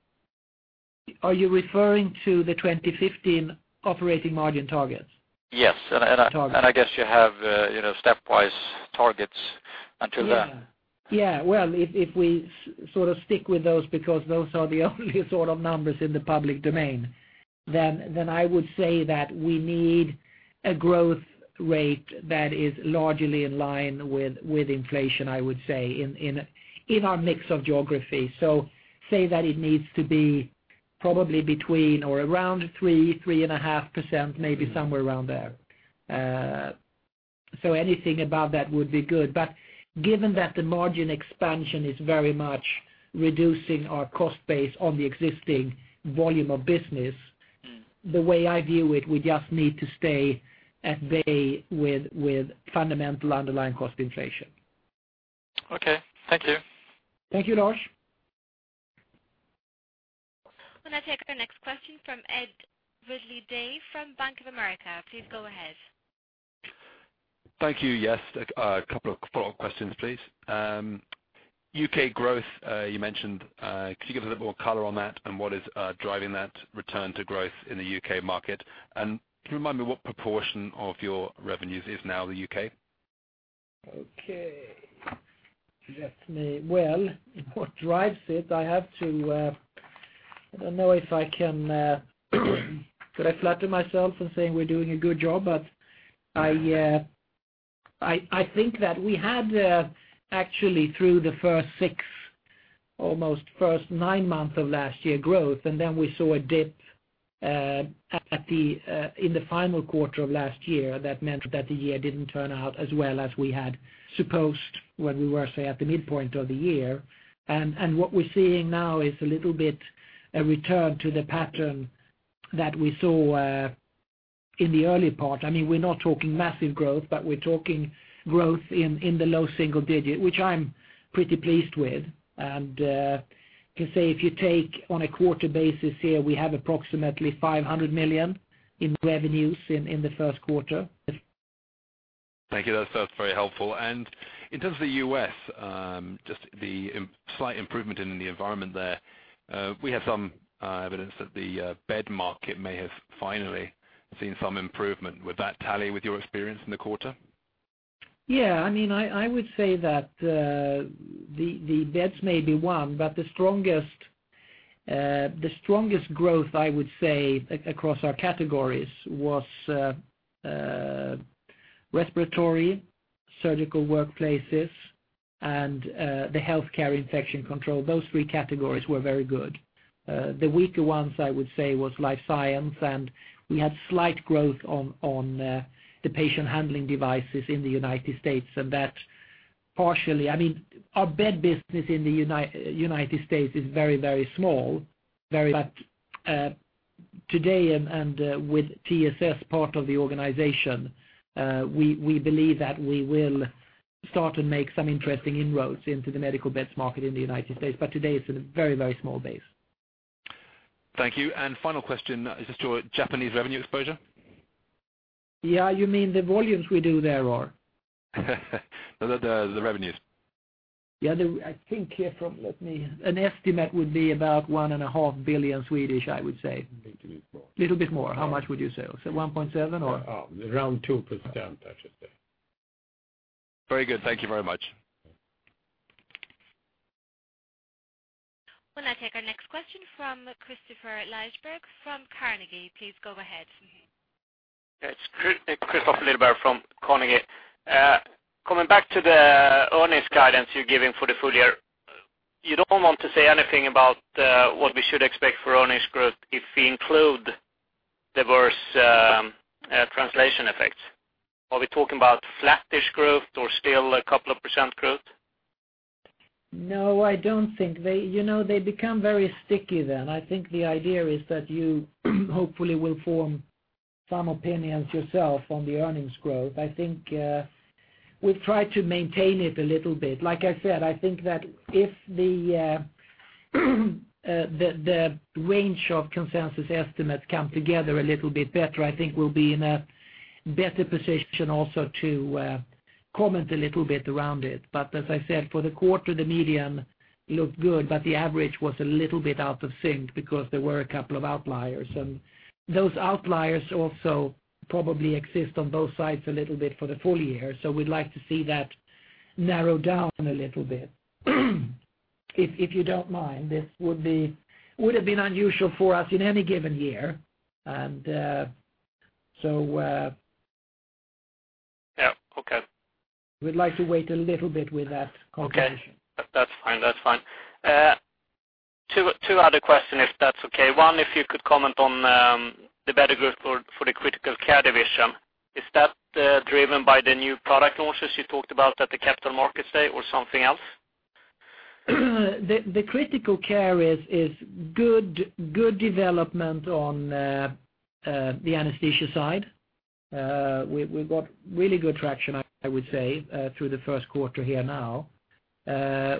Are you referring to the 2015 operating margin targets? Yes. Target. And I guess you have, you know, stepwise targets until then. Yeah. Yeah. Well, if we sort of stick with those, because those are the only sort of numbers in the public domain, then I would say that we need a growth rate that is largely in line with inflation, I would say, in our mix of geography. So say that it needs to be probably between or around 3%-3.5%, maybe somewhere around there. So anything above that would be good. But given that the margin expansion is very much reducing our cost base on the existing volume of business- Mm. The way I view it, we just need to stay at bay with fundamental underlying cost inflation. Okay. Thank you. Thank you, Lars. We'll now take our next question from Ed Ridley-Day from Bank of America. Please go ahead. Thank you. Yes, a couple of follow-up questions, please. U.K. growth, you mentioned, could you give a little more color on that and what is driving that return to growth in the U.K. market? And can you remind me what proportion of your revenues is now the U.K.?... Okay, let me, well, what drives it? I have to, I don't know if I can, could I flatter myself in saying we're doing a good job, but I think that we had, actually through the first six months, almost first nine months of last year, growth, and then we saw a dip, at the, in the final quarter of last year. That meant that the year didn't turn out as well as we had supposed when we were, say, at the midpoint of the year. And what we're seeing now is a little bit a return to the pattern that we saw, in the early part. I mean, we're not talking massive growth, but we're talking growth in the low single digit, which I'm pretty pleased with. To say, if you take on a quarter basis here, we have approximately 500 million in revenues in the first quarter. Thank you. That's, that's very helpful. In terms of the U.S., just a slight improvement in the environment there, we have some evidence that the bed market may have finally seen some improvement. Would that tally with your experience in the quarter? Yeah. I mean, I would say that the beds may be one, but the strongest growth, I would say, across our categories was respiratory, surgical workplaces, and the healthcare infection control. Those three categories were very good. The weaker ones I would say was life science, and we had slight growth on the patient handling devices in the United States. And that partially. I mean, our bed business in the United States is very, very small, very, but today and with TSS part of the organization, we believe that we will start to make some interesting inroads into the medical beds market in the United States. But today, it's a very, very small base. Thank you. Final question is just to our Japanese revenue exposure? Yeah, you mean the volumes we do there, or? No, the revenues. I think an estimate would be about 1.5 billion, I would say. Little bit more. Little bit more. How much would you say? Is it 1.7 billion, or? Around 2%, I should say. Very good. Thank you very much. We'll now take our next question from Kristofer Liljeberg from Carnegie. Please go ahead. It's Kristofer Liljeberg from Carnegie. Coming back to the earnings guidance you're giving for the full year, you don't want to say anything about what we should expect for earnings growth if we include diverse translation effects. Are we talking about flattish growth or still a couple of % growth? No, I don't think. They, you know, they become very sticky then. I think the idea is that you hopefully will form some opinions yourself on the earnings growth. I think we've tried to maintain it a little bit. Like I said, I think that if the range of consensus estimates come together a little bit better, I think we'll be in a better position also to comment a little bit around it. But as I said, for the quarter, the median looked good, but the average was a little bit out of sync because there were a couple of outliers. And those outliers also probably exist on both sides a little bit for the full year, so we'd like to see that narrow down a little bit. If you don't mind, this would have been unusual for us in any given year, and so- Yeah, okay. We'd like to wait a little bit with that conclusion. Okay. That's fine. That's fine. Two other questions, if that's okay. One, if you could comment on the better growth for the critical care division. Is that driven by the new product launches you talked about at the Capital Markets Day or something else? The critical care is good development on the anesthesia side. We've got really good traction, I would say, through the first quarter here now.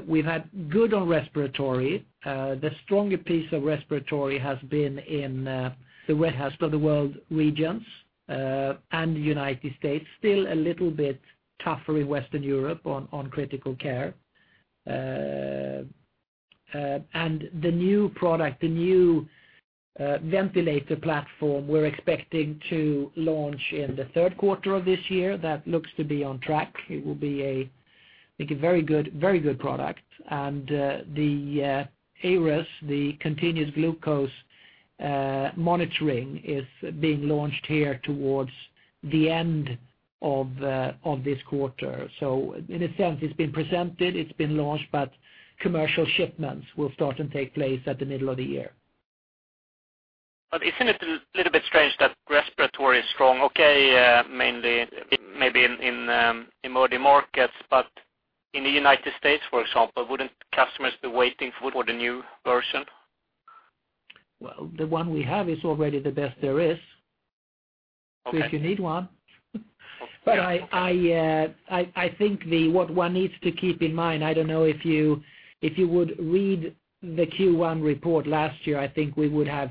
We've had good on respiratory. The stronger piece of respiratory has been in the rest of the world regions and the United States. Still a little bit tougher in Western Europe on critical care. And the new product, the new ventilator platform, we're expecting to launch in the third quarter of this year. That looks to be on track. It will be, I think, a very good product. And the Eirus, the continuous glucose monitoring, is being launched here towards the end of this quarter. In a sense, it's been presented, it's been launched, but commercial shipments will start and take place at the middle of the year. But isn't it a little bit strange that respiratory is strong, okay, mainly maybe in emerging markets, but in the United States, for example, wouldn't customers be waiting for the new version? Well, the one we have is already the best there is- Okay... so if you need one. But I think what one needs to keep in mind, I don't know if you would read the Q1 report last year, I think we would have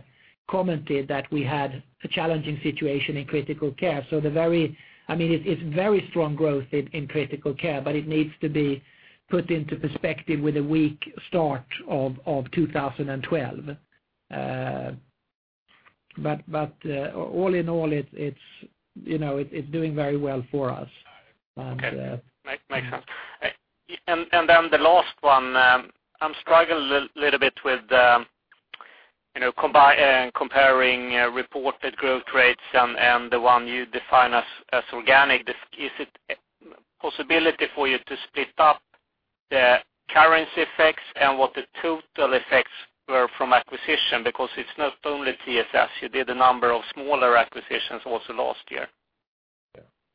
commented that we had a challenging situation in critical care. So I mean, it's very strong growth in critical care, but it needs to be put into perspective with a weak start of 2012. But all in all, you know, it's doing very well for us. Okay. Makes sense. And then the last one, I'm struggling a little bit with the, you know, comparing reported growth rates and the one you define as organic. Is it a possibility for you to split up the currency effects and what the total effects were from acquisition? Because it's not only TSS, you did a number of smaller acquisitions also last year.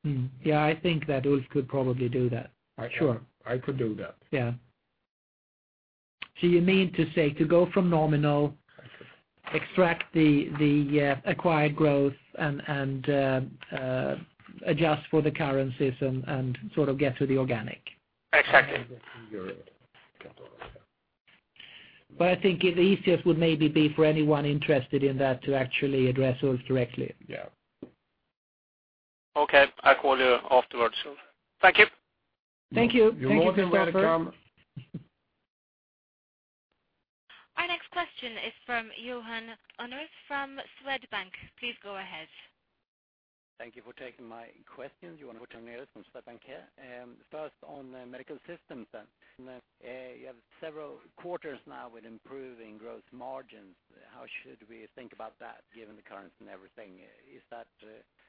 Mm-hmm. Yeah, I think that Ulf could probably do that. Sure. I could do that. Yeah. So you mean to say, to go from nominal, extract the acquired growth and adjust for the currencies and sort of get to the organic? Exactly. Yeah. I think the easiest would maybe be for anyone interested in that to actually address Ulf directly. Yeah. Okay. I'll call you afterwards. Thank you. Thank you. Thank you, Christopher. You're more than welcome. Our next question is from Johan Unnerus from Swedbank. Please go ahead. Thank you for taking my question. Johan Unnerus from Swedbank here. First, on the medical systems then, you have several quarters now with improving growth margins. How should we think about that, given the currents and everything? Is that,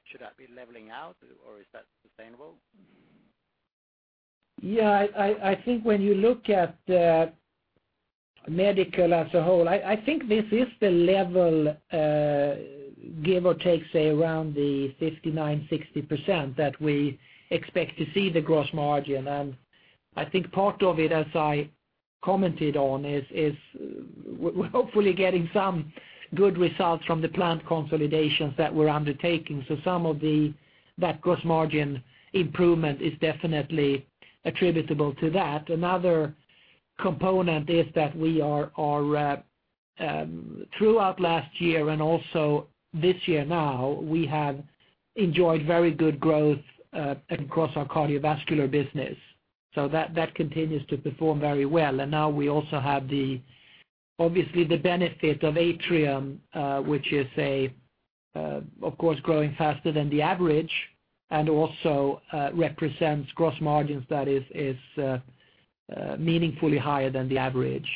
should that be leveling out, or is that sustainable? Yeah, I think when you look at medical as a whole, I think this is the level, give or take, say, around the 59%-60% that we expect to see the gross margin. And I think part of it, as I commented on, is we're hopefully getting some good results from the plant consolidations that we're undertaking. So some of that gross margin improvement is definitely attributable to that. Another component is that we are throughout last year and also this year now, we have enjoyed very good growth across our cardiovascular business. So that continues to perform very well. And now we also have, obviously, the benefit of Atrium, which is, of course, growing faster than the average, and also represents gross margins that is meaningfully higher than the average.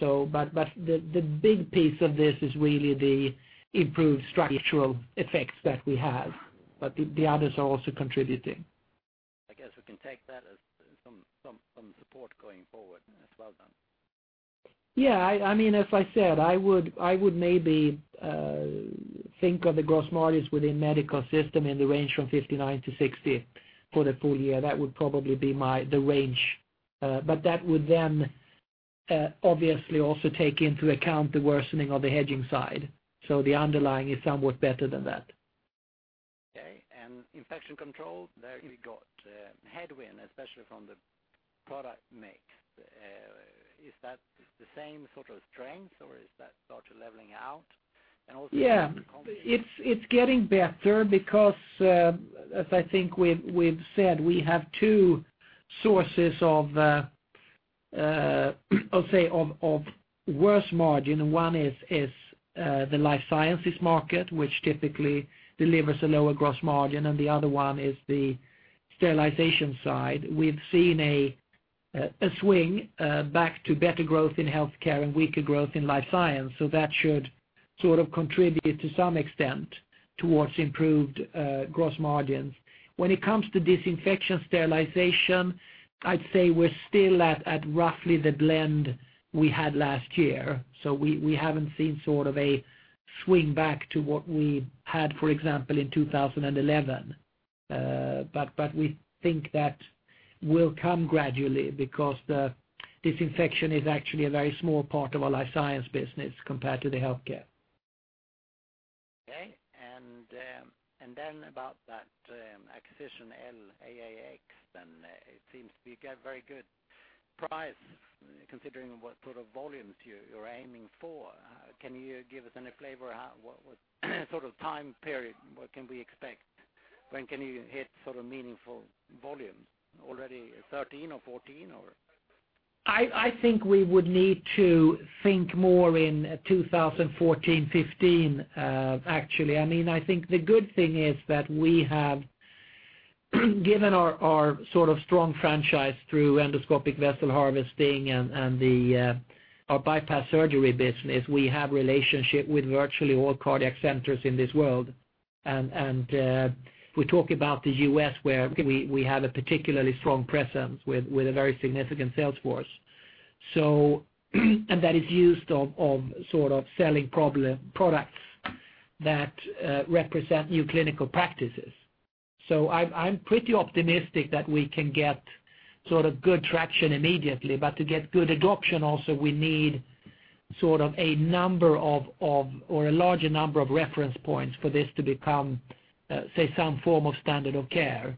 So, but the big piece of this is really the improved structural effects that we have, but the others are also contributing. I guess we can take that as some support going forward as well then. Yeah, I mean, as I said, I would maybe think of the gross margins within Medical Systems in the range from 59%-60% for the full year. That would probably be my—the range, but that would then obviously also take into account the worsening of the hedging side, so the underlying is somewhat better than that. Okay. And Infection Control, there you got, headwind, especially from the product mix. Is that the same sort of strength, or is that start to leveling out? And also- Yeah, it's getting better because as I think we've said, we have two sources of worse margin. One is the life sciences market, which typically delivers a lower gross margin, and the other one is the sterilization side. We've seen a swing back to better growth in healthcare and weaker growth in life science, so that should sort of contribute to some extent towards improved gross margins. When it comes to disinfection, sterilization, I'd say we're still at roughly the blend we had last year, so we haven't seen sort of a swing back to what we had, for example, in 2011. But we think that will come gradually because the disinfection is actually a very small part of our life science business compared to the healthcare. Okay. And, and then about that acquisition, LAAx, then it seems to be a very good price, considering what sort of volumes you're aiming for. Can you give us any flavor, how, what, what sort of time period, what can we expect? When can you hit sort of meaningful volumes? Already 13 or 14, or? I, I think we would need to think more in 2014, 2015, actually. I mean, I think the good thing is that we have, given our, our sort of strong franchise through endoscopic vessel harvesting and, and the, our bypass surgery business, we have relationship with virtually all cardiac centers in this world. And, and, we talk about the U.S., where we, we have a particularly strong presence with, with a very significant sales force. So, and that is used of, of sort of selling problem- products that, represent new clinical practices. So I'm, I'm pretty optimistic that we can get sort of good traction immediately, but to get good adoption, also, we need sort of a number of, of... or a larger number of reference points for this to become, say, some form of standard of care.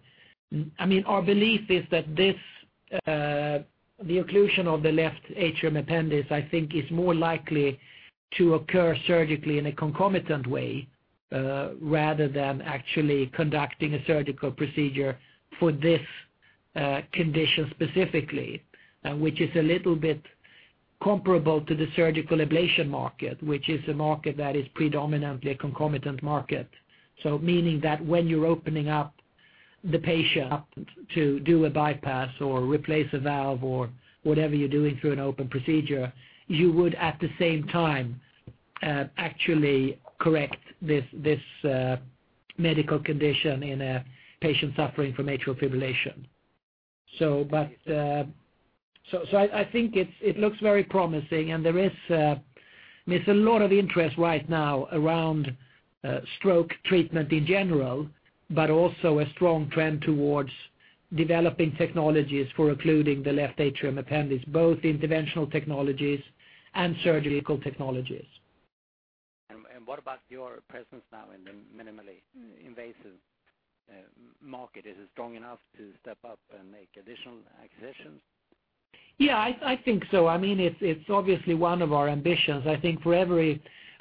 I mean, our belief is that this, the occlusion of the left atrial appendage, I think, is more likely to occur surgically in a concomitant way, rather than actually conducting a surgical procedure for this condition specifically, which is a little bit comparable to the surgical ablation market, which is a market that is predominantly a concomitant market. So meaning that when you're opening up the patient to do a bypass or replace a valve or whatever you're doing through an open procedure, you would, at the same time, actually correct this medical condition in a patient suffering from atrial fibrillation. I think it looks very promising, and there is a lot of interest right now around stroke treatment in general, but also a strong trend towards developing technologies for occluding the left atrial appendage, both interventional technologies and surgical technologies. And what about your presence now in the minimally invasive market? Is it strong enough to step up and make additional acquisitions? Yeah, I think so. I mean, it's obviously one of our ambitions. I think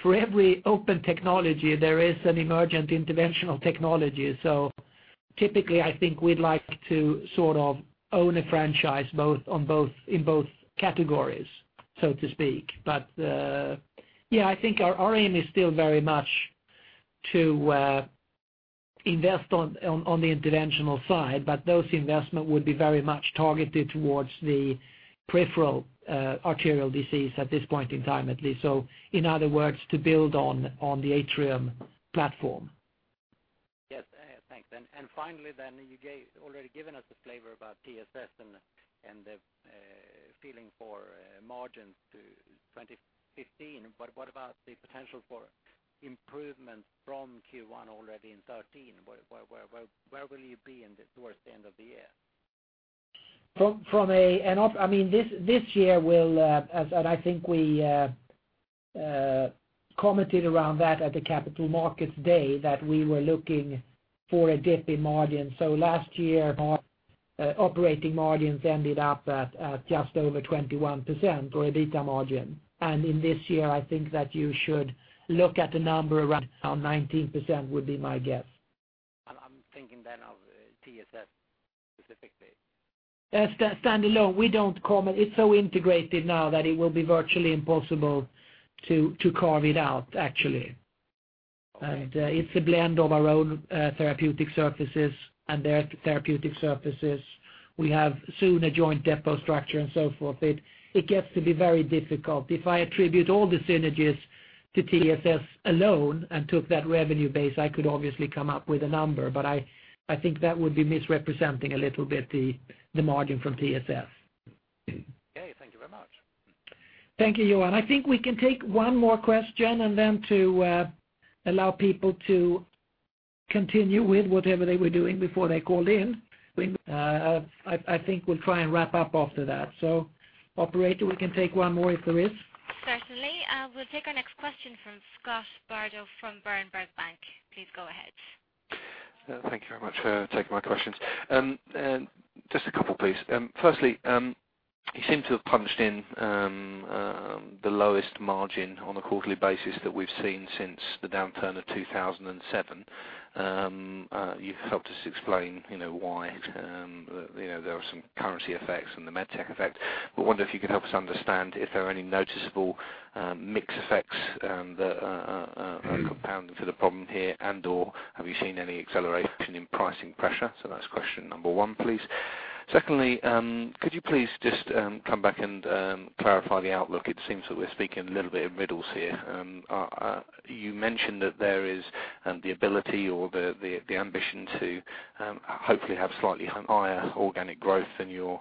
for every open technology, there is an emergent interventional technology. So typically, I think we'd like to sort of own a franchise, both in both categories, so to speak. But yeah, I think our aim is still very much to invest on the interventional side, but those investment would be very much targeted towards the peripheral arterial disease at this point in time, at least. So in other words, to build on the Atrium platform. Yes, thanks. And finally, you've already given us a flavor about TSS and the feeling for margins to 2015. But what about the potential for improvement from Q1 already in 2013? Where will you be towards the end of the year? I mean, this year will, as and I think we commented around that at the Capital Markets Day, that we were looking for a dip in margin. So last year, our operating margins ended up at just over 21% for EBITDA margin. And in this year, I think that you should look at the number around 19% would be my guess. I'm thinking then of TSS specifically. Yes, standalone, we don't comment. It's so integrated now that it will be virtually impossible to carve it out, actually. It's a blend of our own therapeutic surfaces and their therapeutic surfaces. We have soon a joint depot structure and so forth. It gets to be very difficult. If I attribute all the synergies to TSS alone and took that revenue base, I could obviously come up with a number, but I think that would be misrepresenting a little bit the margin from TSS. Okay, thank you very much. Thank you, Johan. I think we can take one more question, and then to allow people to continue with whatever they were doing before they called in. I think we'll try and wrap up after that. So Operator, we can take one more if there is. Certainly. We'll take our next question from Scott Bardo from Berenberg Bank. Please go ahead. Thank you very much for taking my questions. Just a couple, please. Firstly, you seem to have punched in the lowest margin on a quarterly basis that we've seen since the downturn of 2007. You've helped us explain, you know, why, you know, there are some currency effects and the med tech effect. But I wonder if you could help us understand if there are any noticeable mix effects that are compounding to the problem here, and/or have you seen any acceleration in pricing pressure? So that's question number one, please. Secondly, could you please just come back and clarify the outlook? It seems that we're speaking a little bit in riddles here. You mentioned that there is the ability or the ambition to hopefully have slightly higher organic growth than your,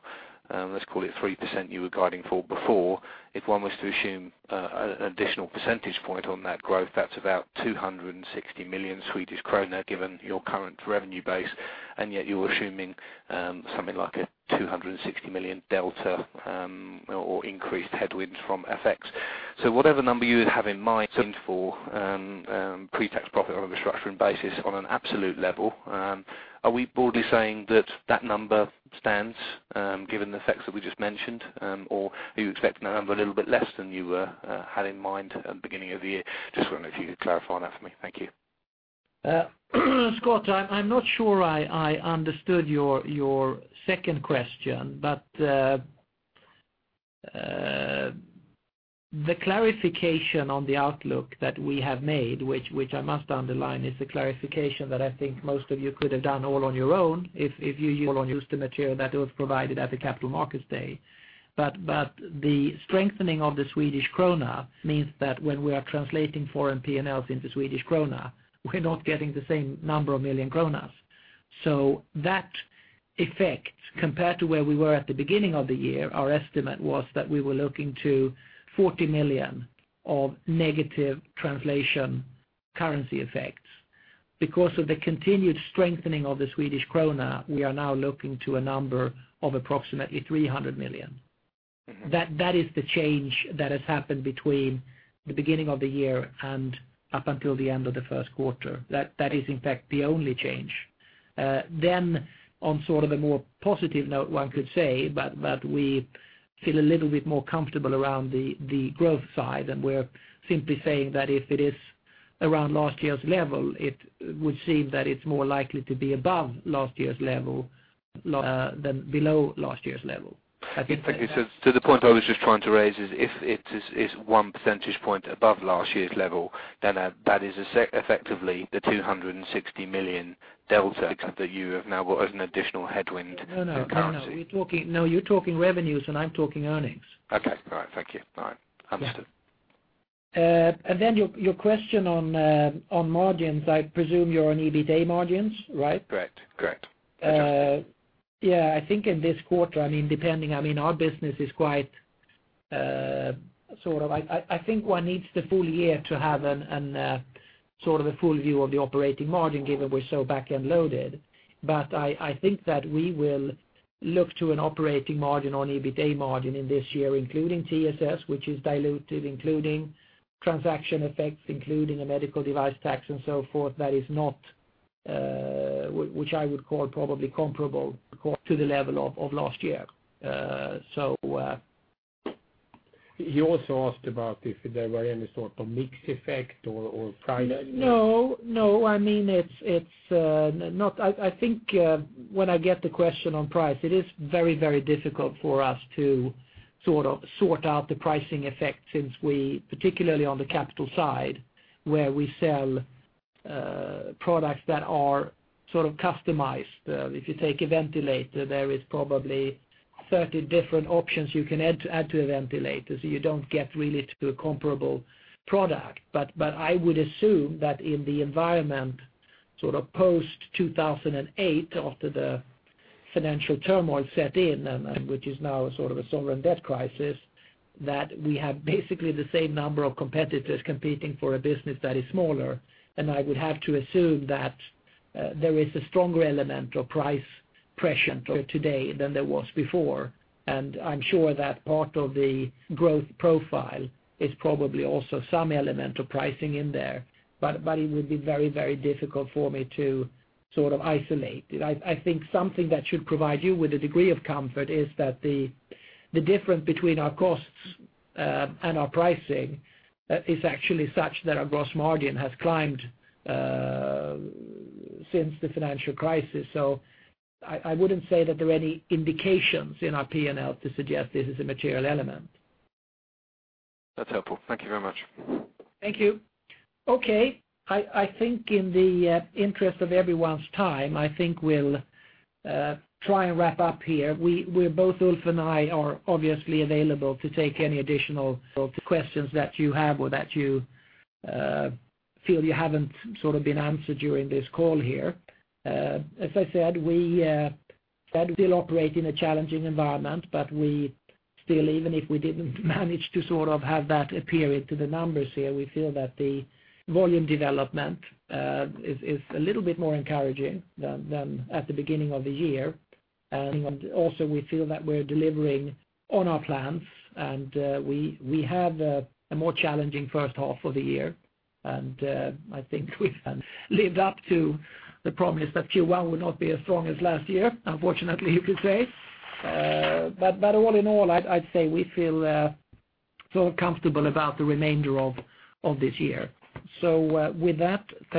let's call it 3% you were guiding for before. If one was to assume an additional percentage point on that growth, that's about 260 million Swedish kronor, given your current revenue base, and yet you're assuming something like a 260 million delta or increased headwinds from FX. So whatever number you would have in mind for pre-tax profit on a restructuring basis on an absolute level, are we boldly saying that that number stands given the effects that we just mentioned? Or are you expecting a number a little bit less than you had in mind at the beginning of the year? Just wondering if you could clarify that for me. Thank you. Scott, I'm not sure I understood your second question, but the clarification on the outlook that we have made, which I must underline, is a clarification that I think most of you could have done all on your own if you all used the material that was provided at the Capital Markets Day. But the strengthening of the Swedish krona means that when we are translating foreign P&Ls into Swedish krona, we're not getting the same number of million kronor. So that effect, compared to where we were at the beginning of the year, our estimate was that we were looking to 40 million of negative translation currency effects. Because of the continued strengthening of the Swedish krona, we are now looking to a number of approximately 300 million. That is the change that has happened between the beginning of the year and up until the end of the first quarter. That is, in fact, the only change. Then on sort of a more positive note, one could say, but we feel a little bit more comfortable around the growth side, and we're simply saying that if it is around last year's level, it would seem that it's more likely to be above last year's level than below last year's level. Thank you. So the point I was just trying to raise is, if it is 1 percentage point above last year's level, then that is effectively the 260 million delta that you have now as an additional headwind in currency. No, no, no. You're talking, no, you're talking revenues, and I'm talking earnings. Okay, all right. Thank you. All right, understood. And then your question on margins, I presume you're on EBITA margins, right? Correct. Correct. Yeah, I think in this quarter, I mean, depending, I mean, our business is quite sort of. I think one needs the full year to have a sort of full view of the operating margin, given we're so back-end loaded. But I think that we will look to an operating margin on EBITA margin in this year, including TSS, which is diluted, including transaction effects, including a Medical Device Tax and so forth, that is not, which I would call probably comparable to the level of last year. So, He also asked about if there were any sort of mix effect or price- No, no. I mean, it's not... I think when I get the question on price, it is very, very difficult for us to sort of sort out the pricing effect, since we particularly on the capital side, where we sell products that are sort of customized. If you take a ventilator, there is probably 30 different options you can add to a ventilator, so you don't get really to a comparable product. But I would assume that in the environment, sort of post-2008, after the financial turmoil set in, and which is now sort of a sovereign debt crisis, that we have basically the same number of competitors competing for a business that is smaller. And I would have to assume that there is a stronger element of price pressure today than there was before. I'm sure that part of the growth profile is probably also some element of pricing in there, but it would be very, very difficult for me to sort of isolate it. I think something that should provide you with a degree of comfort is that the difference between our costs and our pricing is actually such that our gross margin has climbed since the financial crisis. So I wouldn't say that there are any indications in our P&L to suggest this is a material element. That's helpful. Thank you very much. Thank you. Okay, I think in the interest of everyone's time, I think we'll try and wrap up here. We're both, Ulf and I, are obviously available to take any additional questions that you have or that you feel you haven't sort of been answered during this call here. As I said, we still operate in a challenging environment, but we still, even if we didn't manage to sort of have that appear into the numbers here, we feel that the volume development is a little bit more encouraging than at the beginning of the year. And also, we feel that we're delivering on our plans, and we had a more challenging first half of the year. I think we lived up to the promise that Q1 would not be as strong as last year, unfortunately, you could say. But all in all, I'd say we feel sort of comfortable about the remainder of this year. With that, thank you.